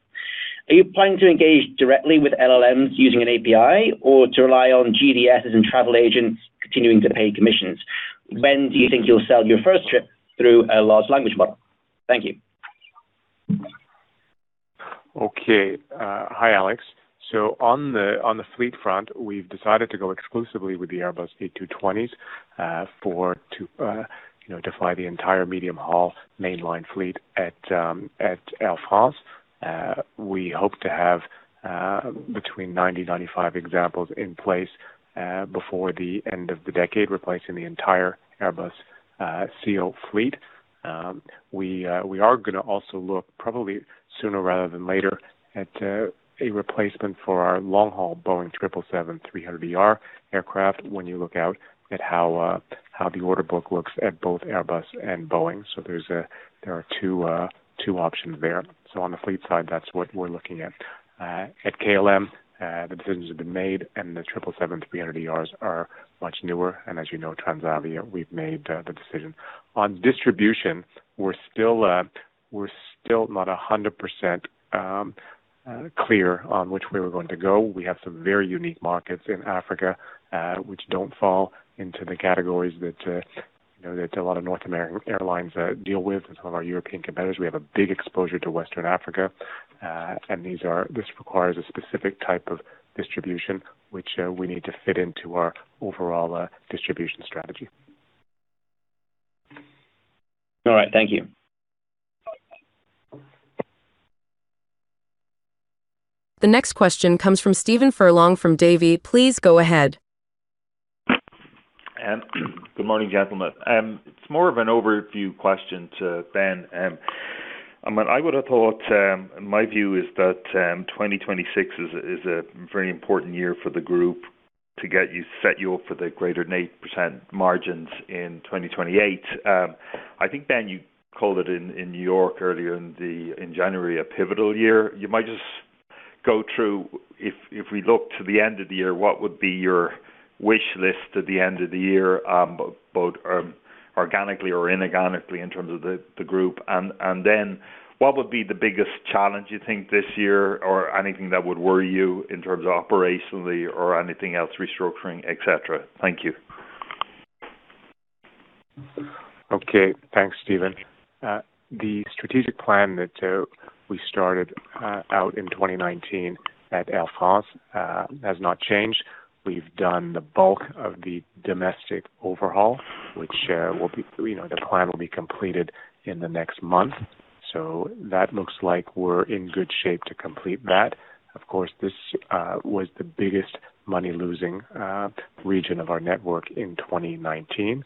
Are you planning to engage directly with LLMs using an API, or to rely on GDSs and travel agents continuing to pay commissions? When do you think you'll sell your first trip through a large language model? Thank you. Okay. Hi, Alex. So on the fleet front, we've decided to go exclusively with the Airbus A220s, for to, you know, to fly the entire medium-haul mainline fleet at Air France. We hope to have between 90-95 examples in place before the end of the decade, replacing the entire Airbus A320 fleet. We are gonna also look probably sooner rather than later at a replacement for our long-haul Boeing 777-300ER aircraft when you look out at how the order book looks at both Airbus and Boeing. So there's a, there are two options there. So on the fleet side, that's what we're looking at. At KLM, the decisions have been made, and the 777-300ERs are much newer, and as you know, Transavia, we've made the decision. On distribution, we're still, we're still not 100% clear on which way we're going to go. We have some very unique markets in Africa, which don't fall into the categories that, you know, that a lot of North American airlines deal with and some of our European competitors. We have a big exposure to West Africa, and these are—this requires a specific type of distribution, which we need to fit into our overall distribution strategy. All right. Thank you. The next question comes from Stephen Furlong, from Davy. Please go ahead. Good morning, gentlemen. It's more of an overview question to Ben. I mean, I would have thought, my view is that, 2026 is, is a very important year for the group to get you set you up for the greater than 8% margins in 2028. I think, Ben, you called it in, in New York earlier in January, a pivotal year. You might just go through, if, if we look to the end of the year, what would be your wish list at the end of the year, both, organically or inorganically in terms of the, the group? And, and then what would be the biggest challenge you think this year, or anything that would worry you in terms of operationally or anything else, restructuring, et cetera? Thank you. Okay, thanks, Stephen. The strategic plan that we started out in 2019 at Air France has not changed. We've done the bulk of the domestic overhaul, which will be, you know, the plan will be completed in the next month. So that looks like we're in good shape to complete that. Of course, this was the biggest money-losing region of our network in 2019,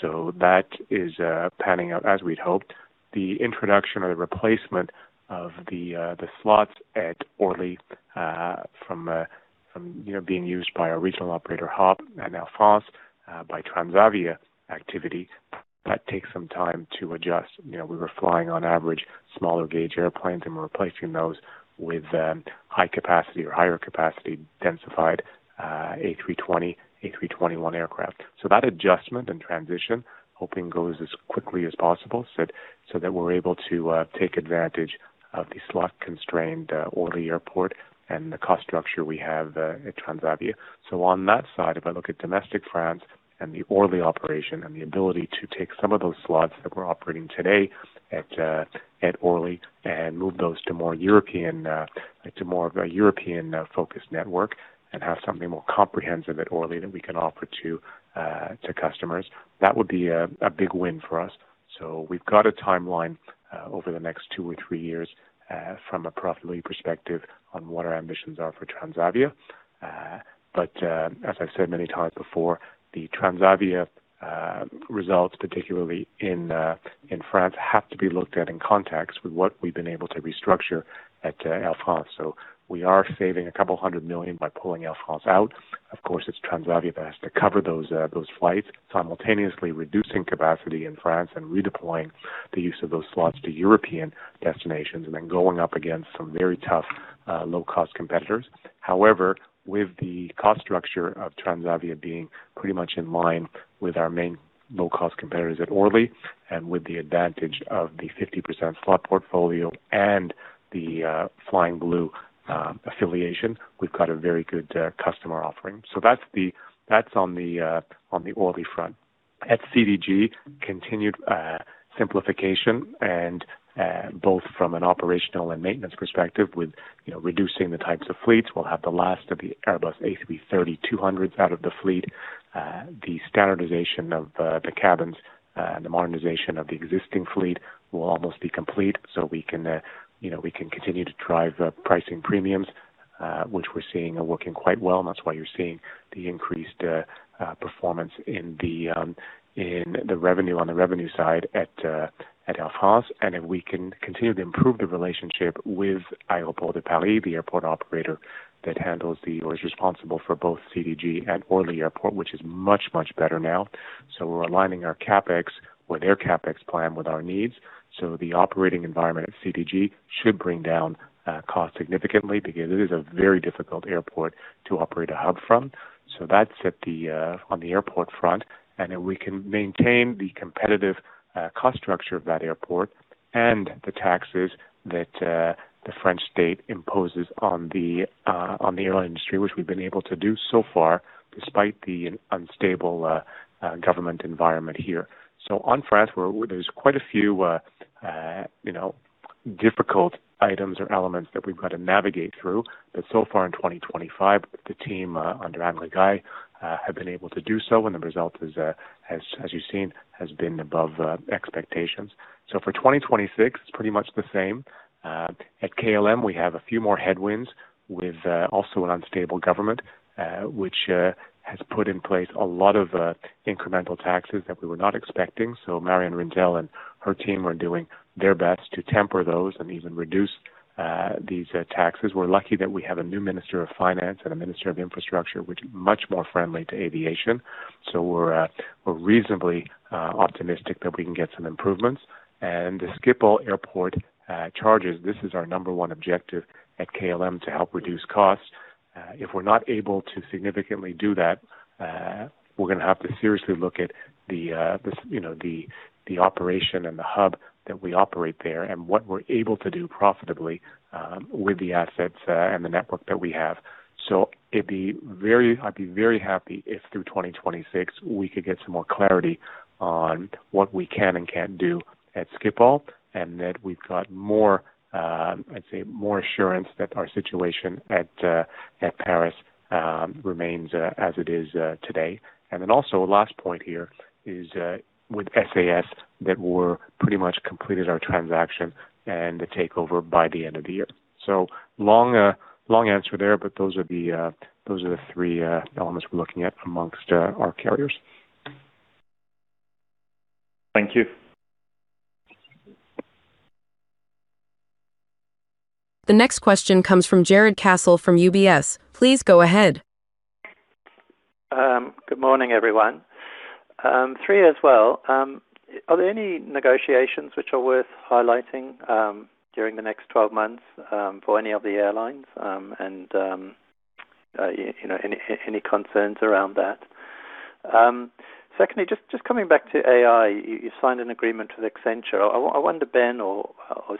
so that is panning out as we'd hoped. The introduction or the replacement of the slots at Orly from being used by our regional operator hub at Air France by Transavia activity, that takes some time to adjust. You know, we were flying on average, smaller gauge airplanes, and we're replacing those with high capacity or higher capacity, densified A320, A321 aircraft. So that adjustment and transition, hoping goes as quickly as possible, so that we're able to take advantage of the slot-constrained Orly Airport and the cost structure we have at Transavia. So on that side, if I look at domestic France and the Orly operation, and the ability to take some of those slots that we're operating today at Orly and move those to more of a European-focused network and have something more comprehensive at Orly than we can offer to customers, that would be a big win for us. So we've got a timeline over the next two or three years from a profitability perspective on what our ambitions are for Transavia. But, as I've said many times before, the Transavia results, particularly in France, have to be looked at in context with what we've been able to restructure at Air France. So we are saving a couple hundred million by pulling Air France out. Of course, it's Transavia that has to cover those flights, simultaneously reducing capacity in France and redeploying the use of those slots to European destinations, and then going up against some very tough low-cost competitors. However, with the cost structure of Transavia being pretty much in line with our main low-cost competitors at Orly, and with the advantage of the 50% slot portfolio and the Flying Blue affiliation, we've got a very good customer offering. So that's the. That's on the Orly front. At CDG, continued simplification and both from an operational and maintenance perspective with, you know, reducing the types of fleets. We'll have the last of the Airbus A330-200s out of the fleet. The standardization of the cabins and the modernization of the existing fleet will almost be complete. So we can, you know, we can continue to drive pricing premiums, which we're seeing are working quite well, and that's why you're seeing the increased performance in the revenue, on the revenue side at Air France. And if we can continue to improve the relationship with Aéroports de Paris, the airport operator, that handles the, or is responsible for both CDG and Orly Airport, which is much, much better now. So we're aligning our CapEx with their CapEx plan, with our needs. So the operating environment at CDG should bring down cost significantly because it is a very difficult airport to operate a hub from. So that's at the on the airport front, and then we can maintain the competitive cost structure of that airport and the taxes that the French state imposes on the on the airline industry, which we've been able to do so far, despite the unstable government environment here. So on France, where there's quite a few you know difficult items or elements that we've got to navigate through. But so far, in 2025, the team under Adriaan den Heijer have been able to do so, and the result is as you've seen has been above expectations. So for 2026, it's pretty much the same. At KLM, we have a few more headwinds with also an unstable government, which has put in place a lot of incremental taxes that we were not expecting. So Marjan Rintel and her team are doing their best to temper those and even reduce these taxes. We're lucky that we have a new Minister of Finance and a Minister of Infrastructure, which are much more friendly to aviation. So we're reasonably optimistic that we can get some improvements. And the Schiphol Airport charges, this is our number one objective at KLM to help reduce costs. If we're not able to significantly do that, we're gonna have to seriously look at this, you know, the operation and the hub that we operate there and what we're able to do profitably with the assets and the network that we have. So I'd be very happy if through 2026, we could get some more clarity on what we can and can't do at Schiphol, and that we've got more, I'd say more assurance that our situation at Paris remains as it is today. Then also a last point here is with SAS, that we're pretty much completed our transaction and the takeover by the end of the year. So, long answer there, but those are the, those are the three elements we're looking at amongst our carriers. Thank you. The next question comes from Jarrod Castle from UBS. Please go ahead. Good morning, everyone. Three as well. Are there any negotiations which are worth highlighting during the next 12 months for any of the airlines? And you know, any concerns around that? Secondly, just coming back to AI. You signed an agreement with Accenture. I wonder, Ben or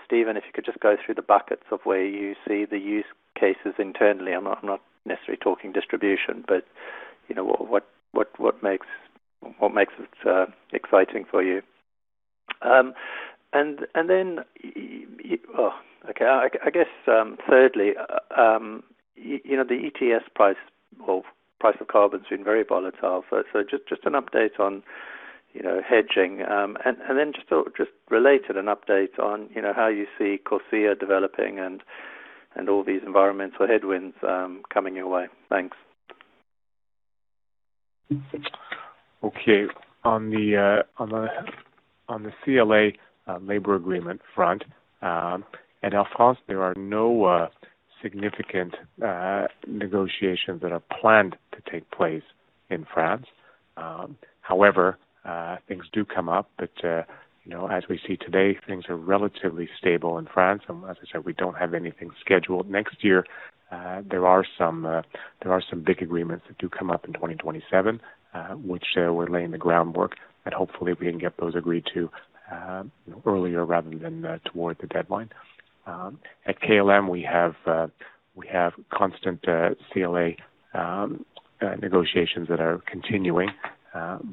Steven, if you could just go through the buckets of where you see the use cases internally. I'm not necessarily talking distribution, but you know, what makes it exciting for you? And then, okay, I guess, thirdly, you know, the ETS price or price of carbon has been very volatile. So just an update on, you know, hedging. And then just related an update on, you know, how you see CORSIA developing and all these environmental headwinds coming your way. Thanks. Okay. On the CLA labor agreement front, at Air France, there are no significant negotiations that are planned to take place in France. However, things do come up, but, you know, as we see today, things are relatively stable in France, and as I said, we don't have anything scheduled. Next year, there are some big agreements that do come up in 2027, which we're laying the groundwork, and hopefully we can get those agreed to, earlier rather than toward the deadline. At KLM, we have constant CLA negotiations that are continuing.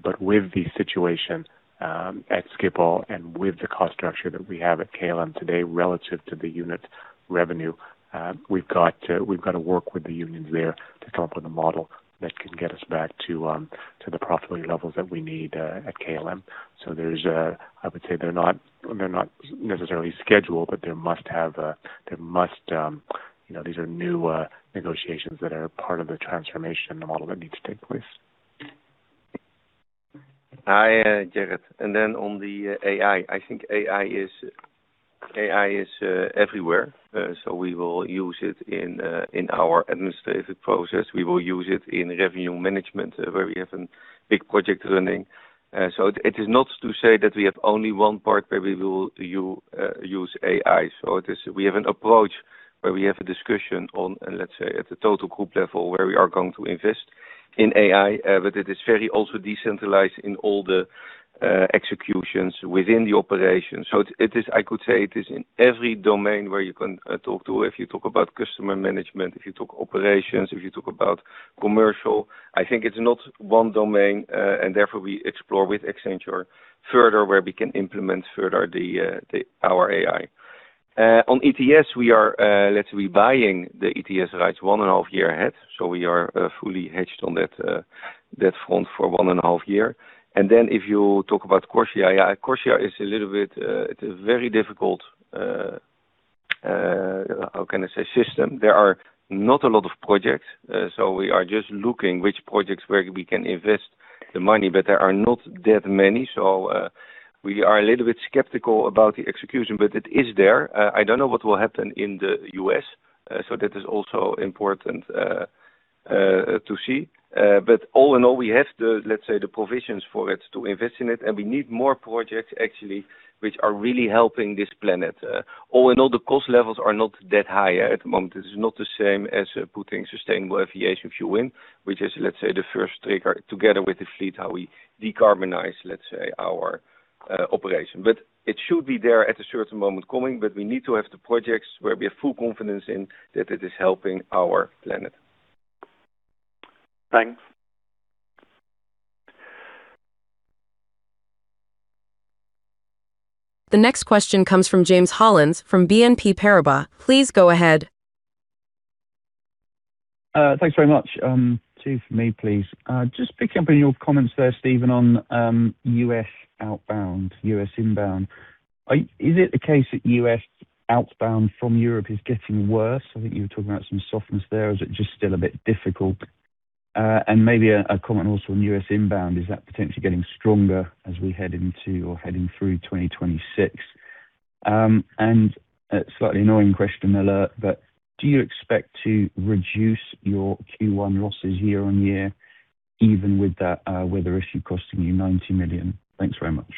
But with the situation at Schiphol and with the cost structure that we have at KLM today, relative to the unit revenue, we've got to, we've got to work with the unions there to come up with a model that can get us back to, to the profitability levels that we need, at KLM. So there's a, I would say they're not, they're not necessarily scheduled, but there must, you know, these are new negotiations that are part of the transformation, the model that needs to take place. Hi, Jarrod, and then on the AI. I think AI is, AI is, everywhere. So we will use it in, in our administrative process. We will use it in revenue management, where we have a big project running. So it is not to say that we have only one part where we will use AI. So it is we have an approach where we have a discussion on, let's say, at the total group level, where we are going to invest in AI, but it is very also decentralized in all the executions within the operation. So it is, I could say it is in every domain where you can talk to. If you talk about customer management, if you talk operations, if you talk about commercial, I think it's not one domain, and therefore, we explore with Accenture further, where we can implement further the, the, our AI. On ETS, we are, let's say, buying the ETS rights one and a half year ahead, so we are fully hedged on that front for one and a half year. If you talk about CORSIA, yeah, CORSIA is a little bit, it's a very difficult, how can I say? System. There are not a lot of projects, we are just looking which projects where we can invest the money, but there are not that many. We are a little bit skeptical about the execution, but it is there. I don't know what will happen in the U.S., so that is also important to see. But all in all, we have the, let's say, the provisions for it to invest in it, and we need more projects, actually, which are really helping this planet. All in all, the cost levels are not that high at the moment. It is not the same as putting sustainable aviation fuel in, which is, let's say, the first trigger, together with the fleet, how we decarbonize, let's say, our operation. But it should be there at a certain moment coming, but we need to have the projects where we have full confidence in that it is helping our planet. Thanks. The next question comes from James Hollins, from BNP Paribas. Please go ahead. Thanks very much. Two for me, please. Just picking up on your comments there, Steven, on U.S. outbound, U.S. inbound. Is it the case that U.S. outbound from Europe is getting worse? I think you were talking about some softness there, or is it just still a bit difficult? And maybe a comment also on U.S. inbound. Is that potentially getting stronger as we head into or heading through 2026? And a slightly annoying question alert, but do you expect to reduce your Q1 losses year-on-year, even with that weather issue costing you 90 million? Thanks very much.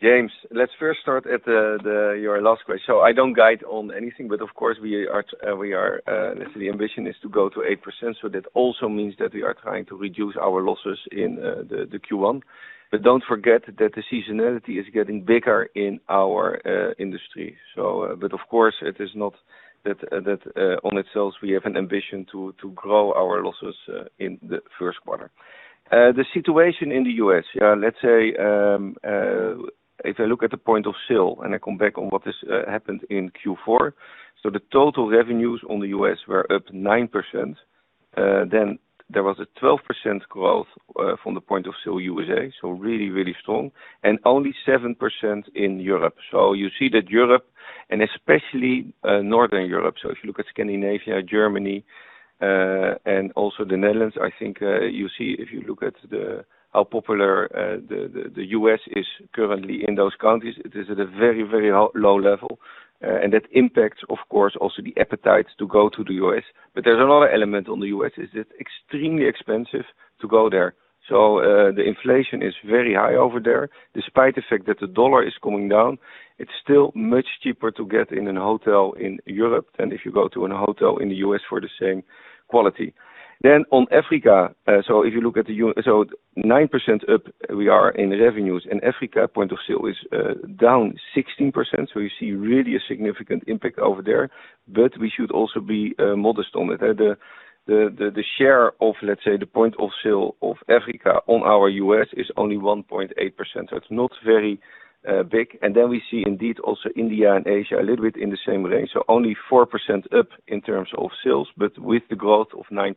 James, let's first start at your last question. So I don't guide on anything, but of course, we are, we are, the ambition is to go to 8%, so that also means that we are trying to reduce our losses in the Q1. But don't forget that the seasonality is getting bigger in our industry. So, but of course, it is not that, that, on it ourselves, we have an ambition to, to grow our losses in the first quarter. The situation in the U.S., yeah, let's say, if I look at the point of sale and I come back on what is happened in Q4, so the total revenues on the U.S. were up 9%. Then there was a 12% growth from the point of sale USA, so really, really strong, and only 7% in Europe. So you see that Europe and especially Northern Europe. So if you look at Scandinavia, Germany, and also the Netherlands, I think you see if you look at how popular the U.S. is currently in those countries, it is at a very, very low level. And that impacts, of course, also the appetite to go to the U.S. But there's another element on the U.S., is it's extremely expensive to go there. So the inflation is very high over there. Despite the fact that the dollar is coming down, it's still much cheaper to get in a hotel in Europe than if you go to a hotel in the U.S. for the same quality. Then on Africa, so if you look at the U.S., so 9% up we are in revenues, and Africa point of sale is down 16%. So you see really a significant impact over there, but we should also be modest on it. The share of, let's say, the point of sale of Africa on our U.S. is only 1.8%, so it's not very big. And then we see indeed, also India and Asia, a little bit in the same range. So only 4% up in terms of sales, but with the growth of 9%.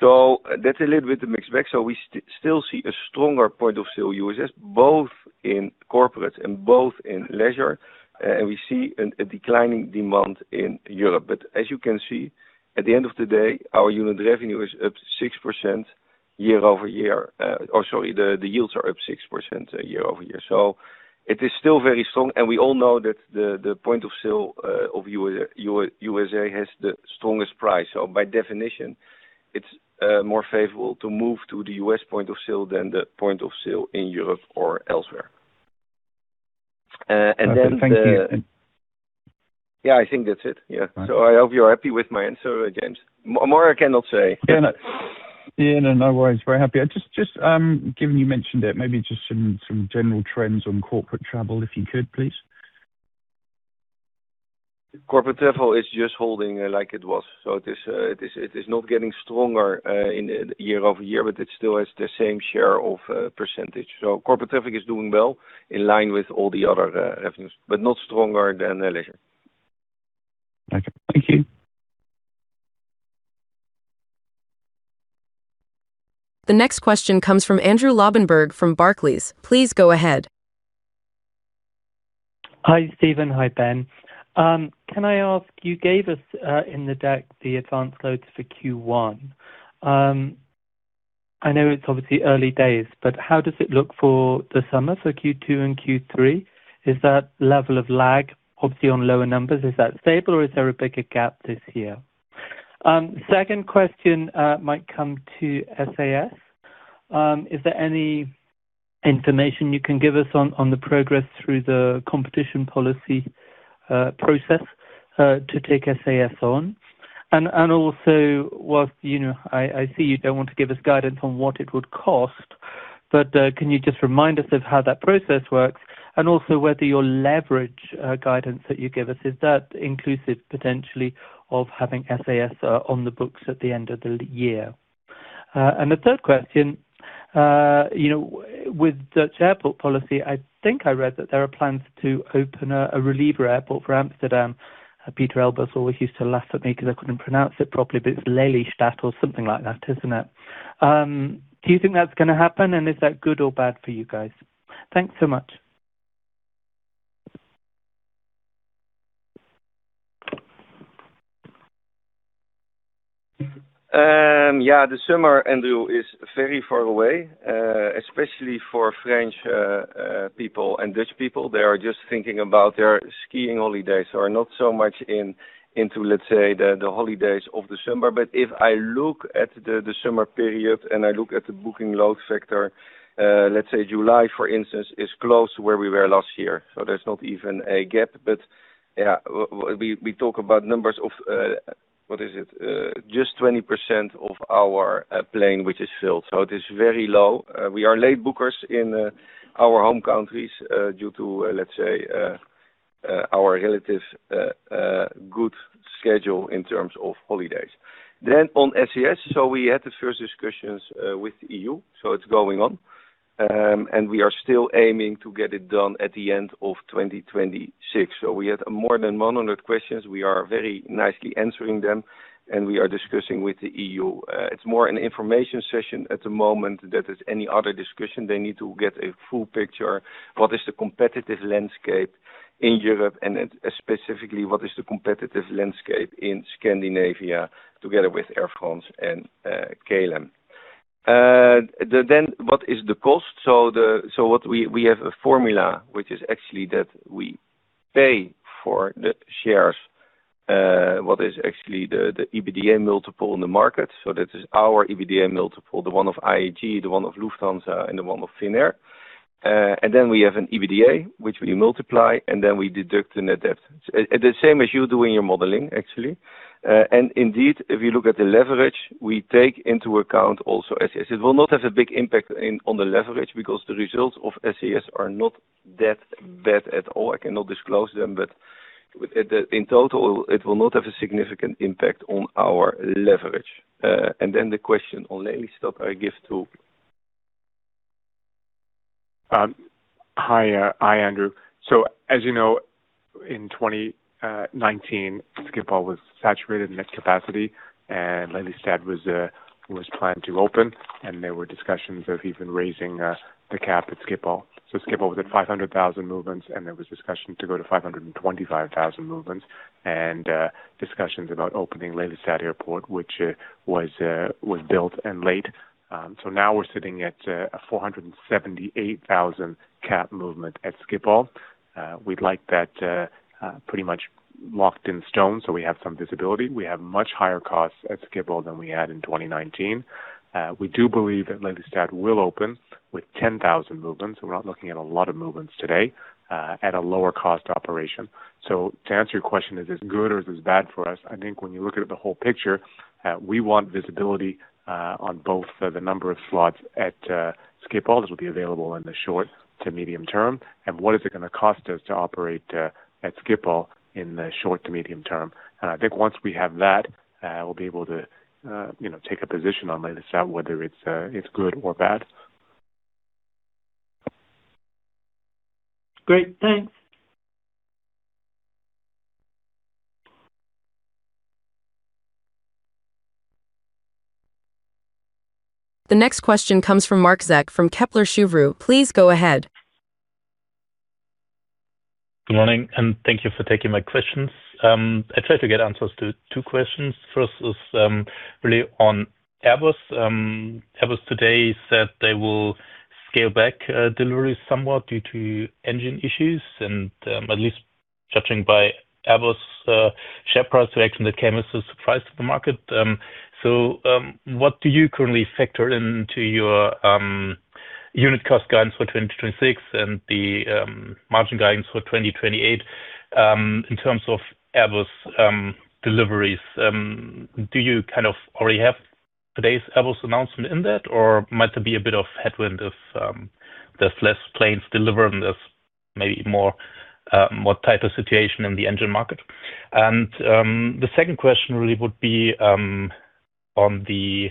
So that's a little bit of mixed bag. So we still see a stronger point of sale U.S., both in corporate and both in leisure, and we see a declining demand in Europe. But as you can see, at the end of the day, our unit revenue is up 6% year-over-year. Or sorry, the yields are up 6% year-over-year. So it is still very strong, and we all know that the point of sale of the U.S. has the strongest price. So by definition, it's more favorable to move to the U.S. point of sale than the point of sale in Europe or elsewhere. And then the- Thank you. Yeah, I think that's it. Yeah. All right. I hope you're happy with my answer, James. More I cannot say. Yeah. Yeah, no, no worries, very happy. Just, given you mentioned it, maybe just some general trends on corporate travel, if you could, please. Corporate travel is just holding like it was. So it is not getting stronger year-over-year, but it still has the same share of percentage. So corporate traffic is doing well, in line with all the other revenues, but not stronger than leisure. Okay. Thank you. The next question comes from Andrew Lobbenberg, from Barclays. Please go ahead. Hi, Steven. Hi, Ben. Can I ask, you gave us, in the deck, the advance loads for Q1. I know it's obviously early days, but how does it look for the summer, so Q2 and Q3? Is that level of lag, obviously, on lower numbers, is that stable or is there a bigger gap this year? Second question, might come to SAS. Is there any information you can give us on the progress through the competition policy process to take SAS on? Also, while, you know, I see you don't want to give us guidance on what it would cost, but can you just remind us of how that process works, and also whether your leverage guidance that you give us is that inclusive, potentially, of having SAS on the books at the end of the year? And the third question, you know, with Dutch airport policy, I think I read that there are plans to open a reliever airport for Amsterdam. Pieter Elbers always used to laugh at me because I couldn't pronounce it properly, but it's Lelystad or something like that, isn't it? Do you think that's gonna happen, and is that good or bad for you guys? Thanks so much. Yeah, the summer, Andrew, is very far away, especially for French people and Dutch people. They are just thinking about their skiing holidays or not so much into, let's say, the holidays of the summer. But if I look at the summer period and I look at the booking load factor, let's say July, for instance, is close to where we were last year, so there's not even a gap. But, yeah, we talk about numbers of, what is it? Just 20% of our plane, which is filled. So it is very low. We are late bookers in our home countries, due to, let's say, our relative good schedule in terms of holidays. Then on SAS, so we had the first discussions with EU, so it's going on. And we are still aiming to get it done at the end of 2026. So we had more than 100 questions. We are very nicely answering them, and we are discussing with the EU. It's more an information session at the moment than it is any other discussion. They need to get a full picture, what is the competitive landscape in Europe, and specifically, what is the competitive landscape in Scandinavia, together with Air France and KLM. Then what is the cost? So what we have a formula, which is actually that we pay for the shares, what is actually the EBITDA multiple in the market. So this is our EBITDA multiple, the one of IAG, the one of Lufthansa, and the one of Finnair. And then we have an EBITDA, which we multiply, and then we deduct the net debt. The same as you do in your modeling, actually. And indeed, if you look at the leverage, we take into account also SAS. It will not have a big impact in, on the leverage because the results of SAS are not that bad at all. I cannot disclose them, but at the... In total, it will not have a significant impact on our leverage. And then the question on Lelystad, I give to Ben. Hi, hi, Andrew. So as you know, in 2019, Schiphol was saturated in that capacity, Lelystad was planned to open, and there were discussions of even raising the cap at Schiphol. So Schiphol was at 500,000 movements, and there was discussion to go to 525,000 movements and discussions about opening Lelystad Airport, which was built and late. So now we're sitting at a 478,000 cap movement at Schiphol. We'd like that pretty much locked in stone, so we have some visibility. We have much higher costs at Schiphol than we had in 2019. We do believe that Lelystad will open with 10,000 movements. We're not looking at a lot of movements today at a lower cost to operation. To answer your question, is this good or is this bad for us? I think when you look at the whole picture, we want visibility on both the number of slots at Schiphol that will be available in the short to medium term, and what is it gonna cost us to operate at Schiphol in the short to medium term. I think once we have that, we'll be able to, you know, take a position on Lelystad, whether it's, it's good or bad. Great. Thanks. The next question comes from Marc Zeck from Kepler Cheuvreux. Please go ahead. Good morning, and thank you for taking my questions. I tried to get answers to two questions. First is, really on Airbus. Airbus today said they will scale back deliveries somewhat due to engine issues and, at least judging by Airbus share price reaction, that came as a surprise to the market. So, what do you currently factor into your unit cost guidance for 2026 and the margin guidance for 2028, in terms of Airbus deliveries? Do you kind of already have today's Airbus announcement in that, or might there be a bit of headwind if there's less planes delivered and there's maybe more tighter situation in the engine market? The second question really would be on the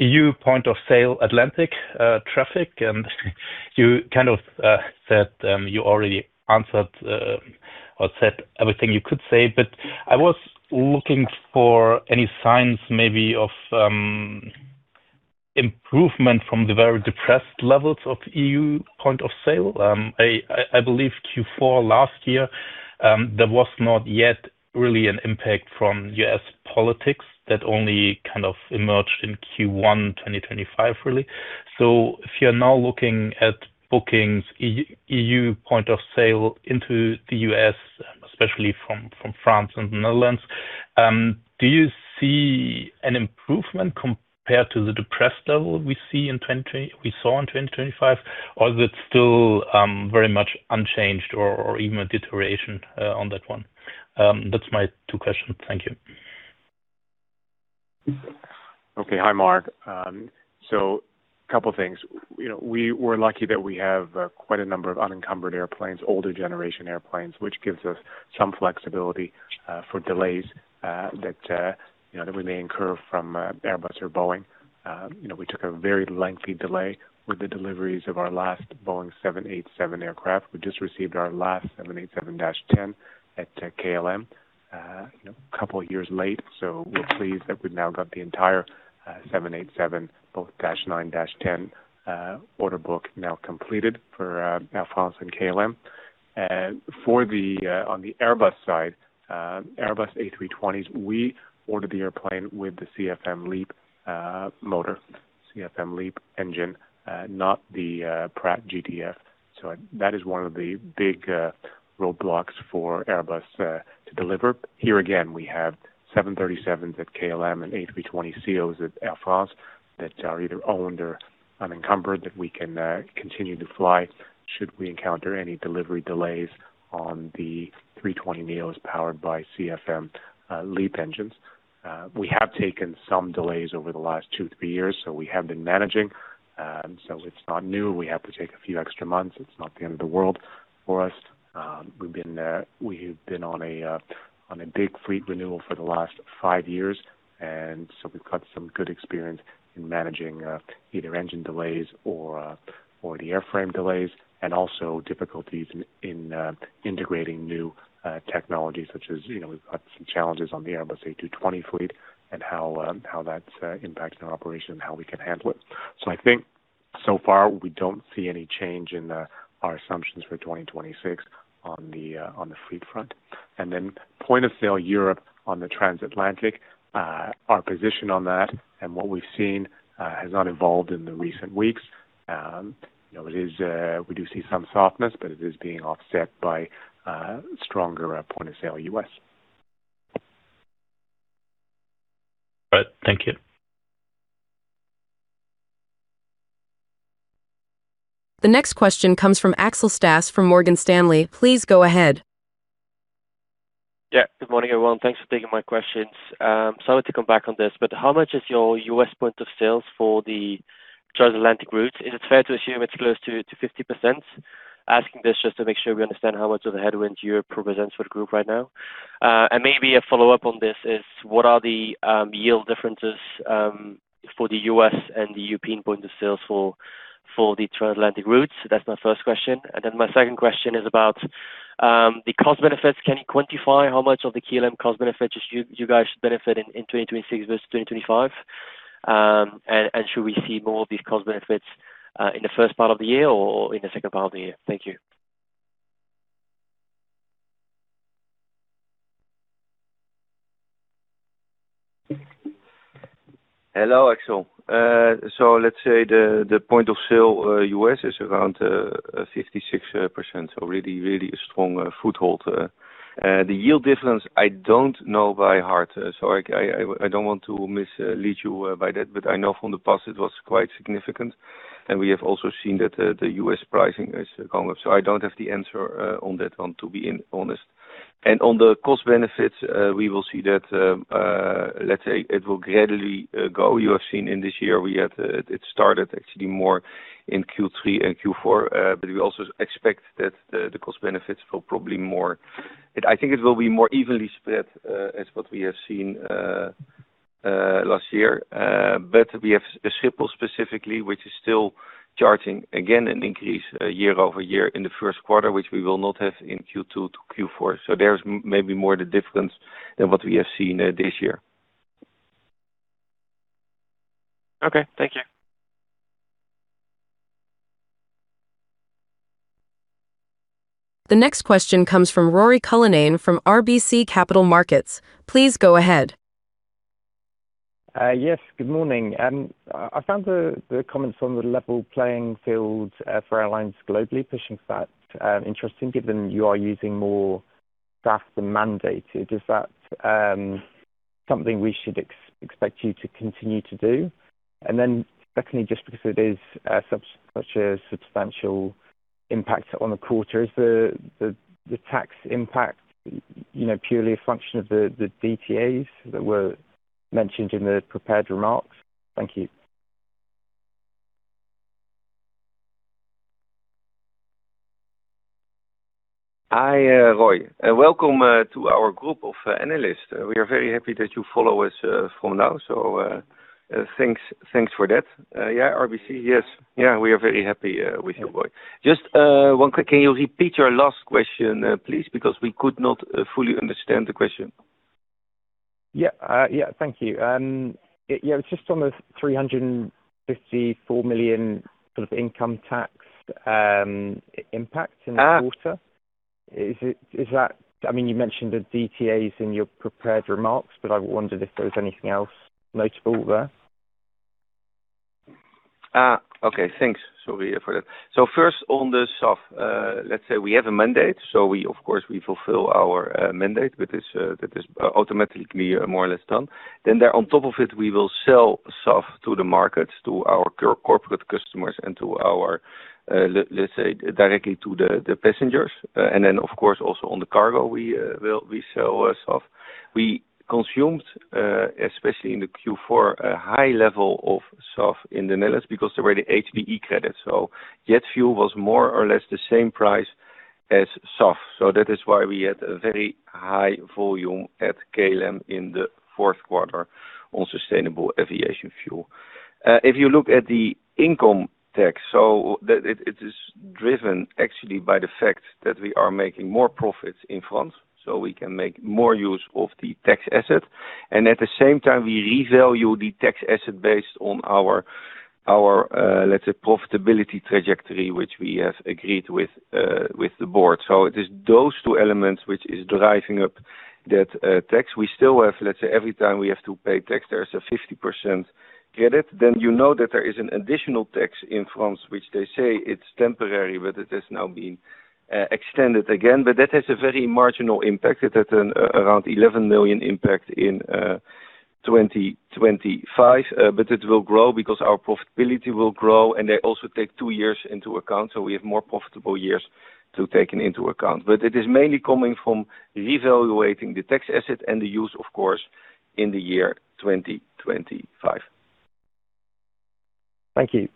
EU point of sale Atlantic traffic, and you kind of said you already answered or said everything you could say, but I was looking for any signs, maybe, of improvement from the very depressed levels of EU point of sale. I believe Q4 last year there was not yet really an impact from U.S. politics that only kind of emerged in Q1, 2025, really. So if you're now looking at bookings EU point of sale into the U.S., especially from France and the Netherlands, do you see an improvement compared to the depressed level we saw in 2025, or is it still very much unchanged or even a deterioration on that one? That's my two questions. Thank you. Okay. Hi, Marc. So a couple of things. You know, we were lucky that we have quite a number of unencumbered airplanes, older generation airplanes, which gives us some flexibility for delays that you know that we may incur from Airbus or Boeing. You know, we took a very lengthy delay with the deliveries of our last Boeing 787 aircraft. We just received our last 787-10 at KLM, you know, a couple of years late. So we're pleased that we've now got the entire 787, both -9, -10, order book now completed for Air France and KLM. And for the on the Airbus side, Airbus A320s, we ordered the airplane with the CFM LEAP motor, CFM LEAP engine, not the Pratt GTF. That is one of the big roadblocks for Airbus to deliver. Here again, we have 737s at KLM and A320s at Air France that are either owned or unencumbered, that we can continue to fly should we encounter any delivery delays on the A320neos, powered by CFM LEAP engines. We have taken some delays over the last two, three years, so we have been managing, so it's not new. We have to take a few extra months. It's not the end of the world for us. We've been on a big fleet renewal for the last five years, and so we've got some good experience in managing either engine delays or the airframe delays, and also difficulties in integrating new technologies such as, you know, we've got some challenges on the Airbus A220 fleet and how that's impacting our operation and how we can handle it. So I think so far, we don't see any change in our assumptions for 2026 on the fleet front. And then point of sale Europe on the transatlantic, our position on that and what we've seen has not evolved in the recent weeks. You know, it is, we do see some softness, but it is being offset by stronger point of sale U.S. All right. Thank you. The next question comes from Axel Staase, from Morgan Stanley. Please go ahead. Yeah. Good morning, everyone. Thanks for taking my questions. Sorry to come back on this, but how much is your U.S. point of sale for the transatlantic routes? Is it fair to assume it's close to 50%? Asking this just to make sure we understand how much of the headwinds Europe represents for the group right now. And maybe a follow-up on this is, what are the yield differences for the U.S. and the European point of sale for the transatlantic routes? That's my first question. And then my second question is about the cost benefits. Can you quantify how much of the KLM cost benefits you guys should benefit in 2026 versus 2025? Should we see more of these cost benefits in the first part of the year or in the second part of the year? Thank you. Hello, Axel. So let's say the point of sale, U.S., is around 56%, so really a strong foothold. The yield difference, I don't know by heart, so I don't want to mislead you by that, but I know from the past it was quite significant. And we have also seen that the U.S. pricing has gone up. So I don't have the answer on that one, to be honest. And on the cost benefits, we will see that, let's say it will gradually go. You have seen in this year, we had it started actually more in Q3 and Q4, but we also expect that the cost benefits will probably more. I think it will be more evenly spread, as what we have seen last year. But we have Schiphol specifically, which is still charging again an increase year over year in the first quarter, which we will not have in Q2 to Q4. So there's maybe more the difference than what we have seen this year. Okay, thank you. The next question comes from Ruairi Cullinane, from RBC Capital Markets. Please go ahead. Yes, good morning. I found the comments on the level playing field for airlines globally, pushing that, interesting, given you are using more SAF than mandated. Is that something we should expect you to continue to do? And then secondly, just because it is such a substantial impact on the quarter, is the tax impact, you know, purely a function of the DTAs that were mentioned in the prepared remarks? Thank you. Hi, Ruairi, welcome to our group of analysts. We are very happy that you follow us from now. So, thanks, thanks for that. Yeah, RBC. Yes. Yeah, we are very happy with you, Ruairi. Just one quick, can you repeat your last question, please? Because we could not fully understand the question. Yeah, yeah, thank you. Yeah, it's just on the 354 million sort of income tax impact in the quarter. Ah. Is that—I mean, you mentioned the DTAs in your prepared remarks, but I wondered if there was anything else notable there? Okay, thanks. Sorry for that. So first on the SAF, let's say we have a mandate, so we, of course, we fulfill our mandate, but it's that is automatically more or less done. Then there on top of it, we will sell SAF to the markets, to our corporate customers and to our, let's say, directly to the passengers. And then, of course, also on the cargo, we will, we sell SAF. We consumed, especially in the Q4, a high level of SAF in the Netherlands, because there were the HBE credits, so jet fuel was more or less the same price as SAF. So that is why we had a very high volume at KLM in the fourth quarter on sustainable aviation fuel. If you look at the income tax, so that it, it is driven actually by the fact that we are making more profits in France, so we can make more use of the tax asset. And at the same time, we revalue the tax asset based on our, our, let's say, profitability trajectory, which we have agreed with, with the board. So it is those two elements which is driving up that, tax. We still have, let's say, every time we have to pay tax, there is a 50% credit. Then you know that there is an additional tax in France, which they say it's temporary, but it has now been, extended again. But that has a very marginal impact. It has an around 11 million impact in 2025, but it will grow because our profitability will grow, and they also take two years into account, so we have more profitable years to taken into account. But it is mainly coming from revaluating the tax asset and the use, of course, in the year 2025. Thank you.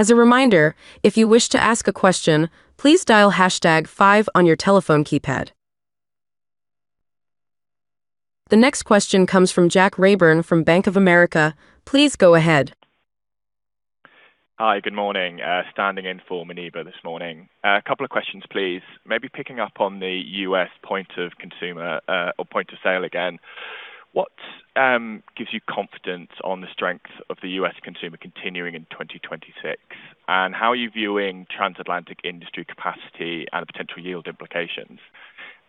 As a reminder, if you wish to ask a question, please dial hashtag five on your telephone keypad. The next question comes from Jack Rayburn from Bank of America. Please go ahead. Hi, good morning. Standing in for Muneeba this morning. A couple of questions, please. Maybe picking up on the U.S. point of consumer, or point of sale again. What gives you confidence on the strength of the U.S. consumer continuing in 2026? And how are you viewing transatlantic industry capacity and the potential yield implications?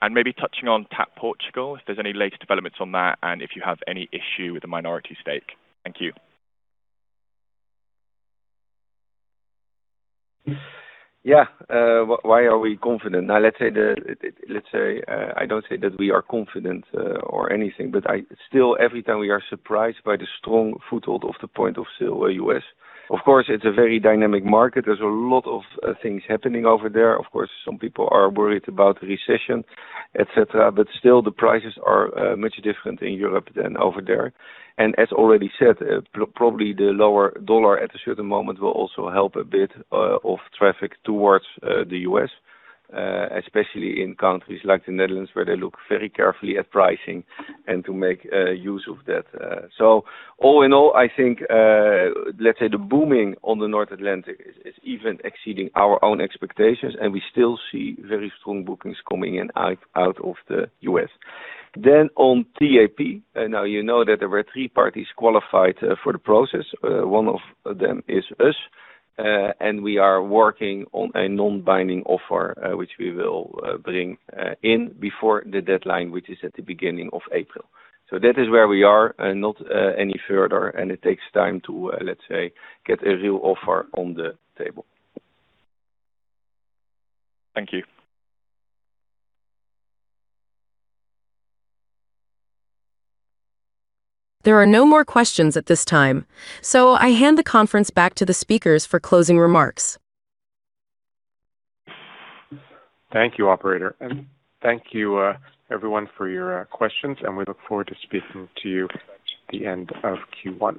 And maybe touching on TAP Portugal, if there's any latest developments on that, and if you have any issue with the minority stake. Thank you. Yeah. Why are we confident? Now, let's say, I don't say that we are confident or anything, but I still, every time we are surprised by the strong foothold of the point of sale, U.S. Of course, it's a very dynamic market. There's a lot of things happening over there. Of course, some people are worried about recession, et cetera, but still, the prices are much different in Europe than over there. And as already said, probably the lower dollar at a certain moment will also help a bit of traffic towards the U.S., especially in countries like the Netherlands, where they look very carefully at pricing and to make use of that. So all in all, I think, let's say the booming on the North Atlantic is even exceeding our own expectations, and we still see very strong bookings coming in out of the U.S. Then on TAP, now you know that there were three parties qualified for the process. One of them is us, and we are working on a non-binding offer, which we will bring in before the deadline, which is at the beginning of April. So that is where we are, not any further, and it takes time to, let's say, get a real offer on the table. Thank you. There are no more questions at this time, so I hand the conference back to the speakers for closing remarks. Thank you, operator, and thank you, everyone for your questions, and we look forward to speaking to you at the end of Q1.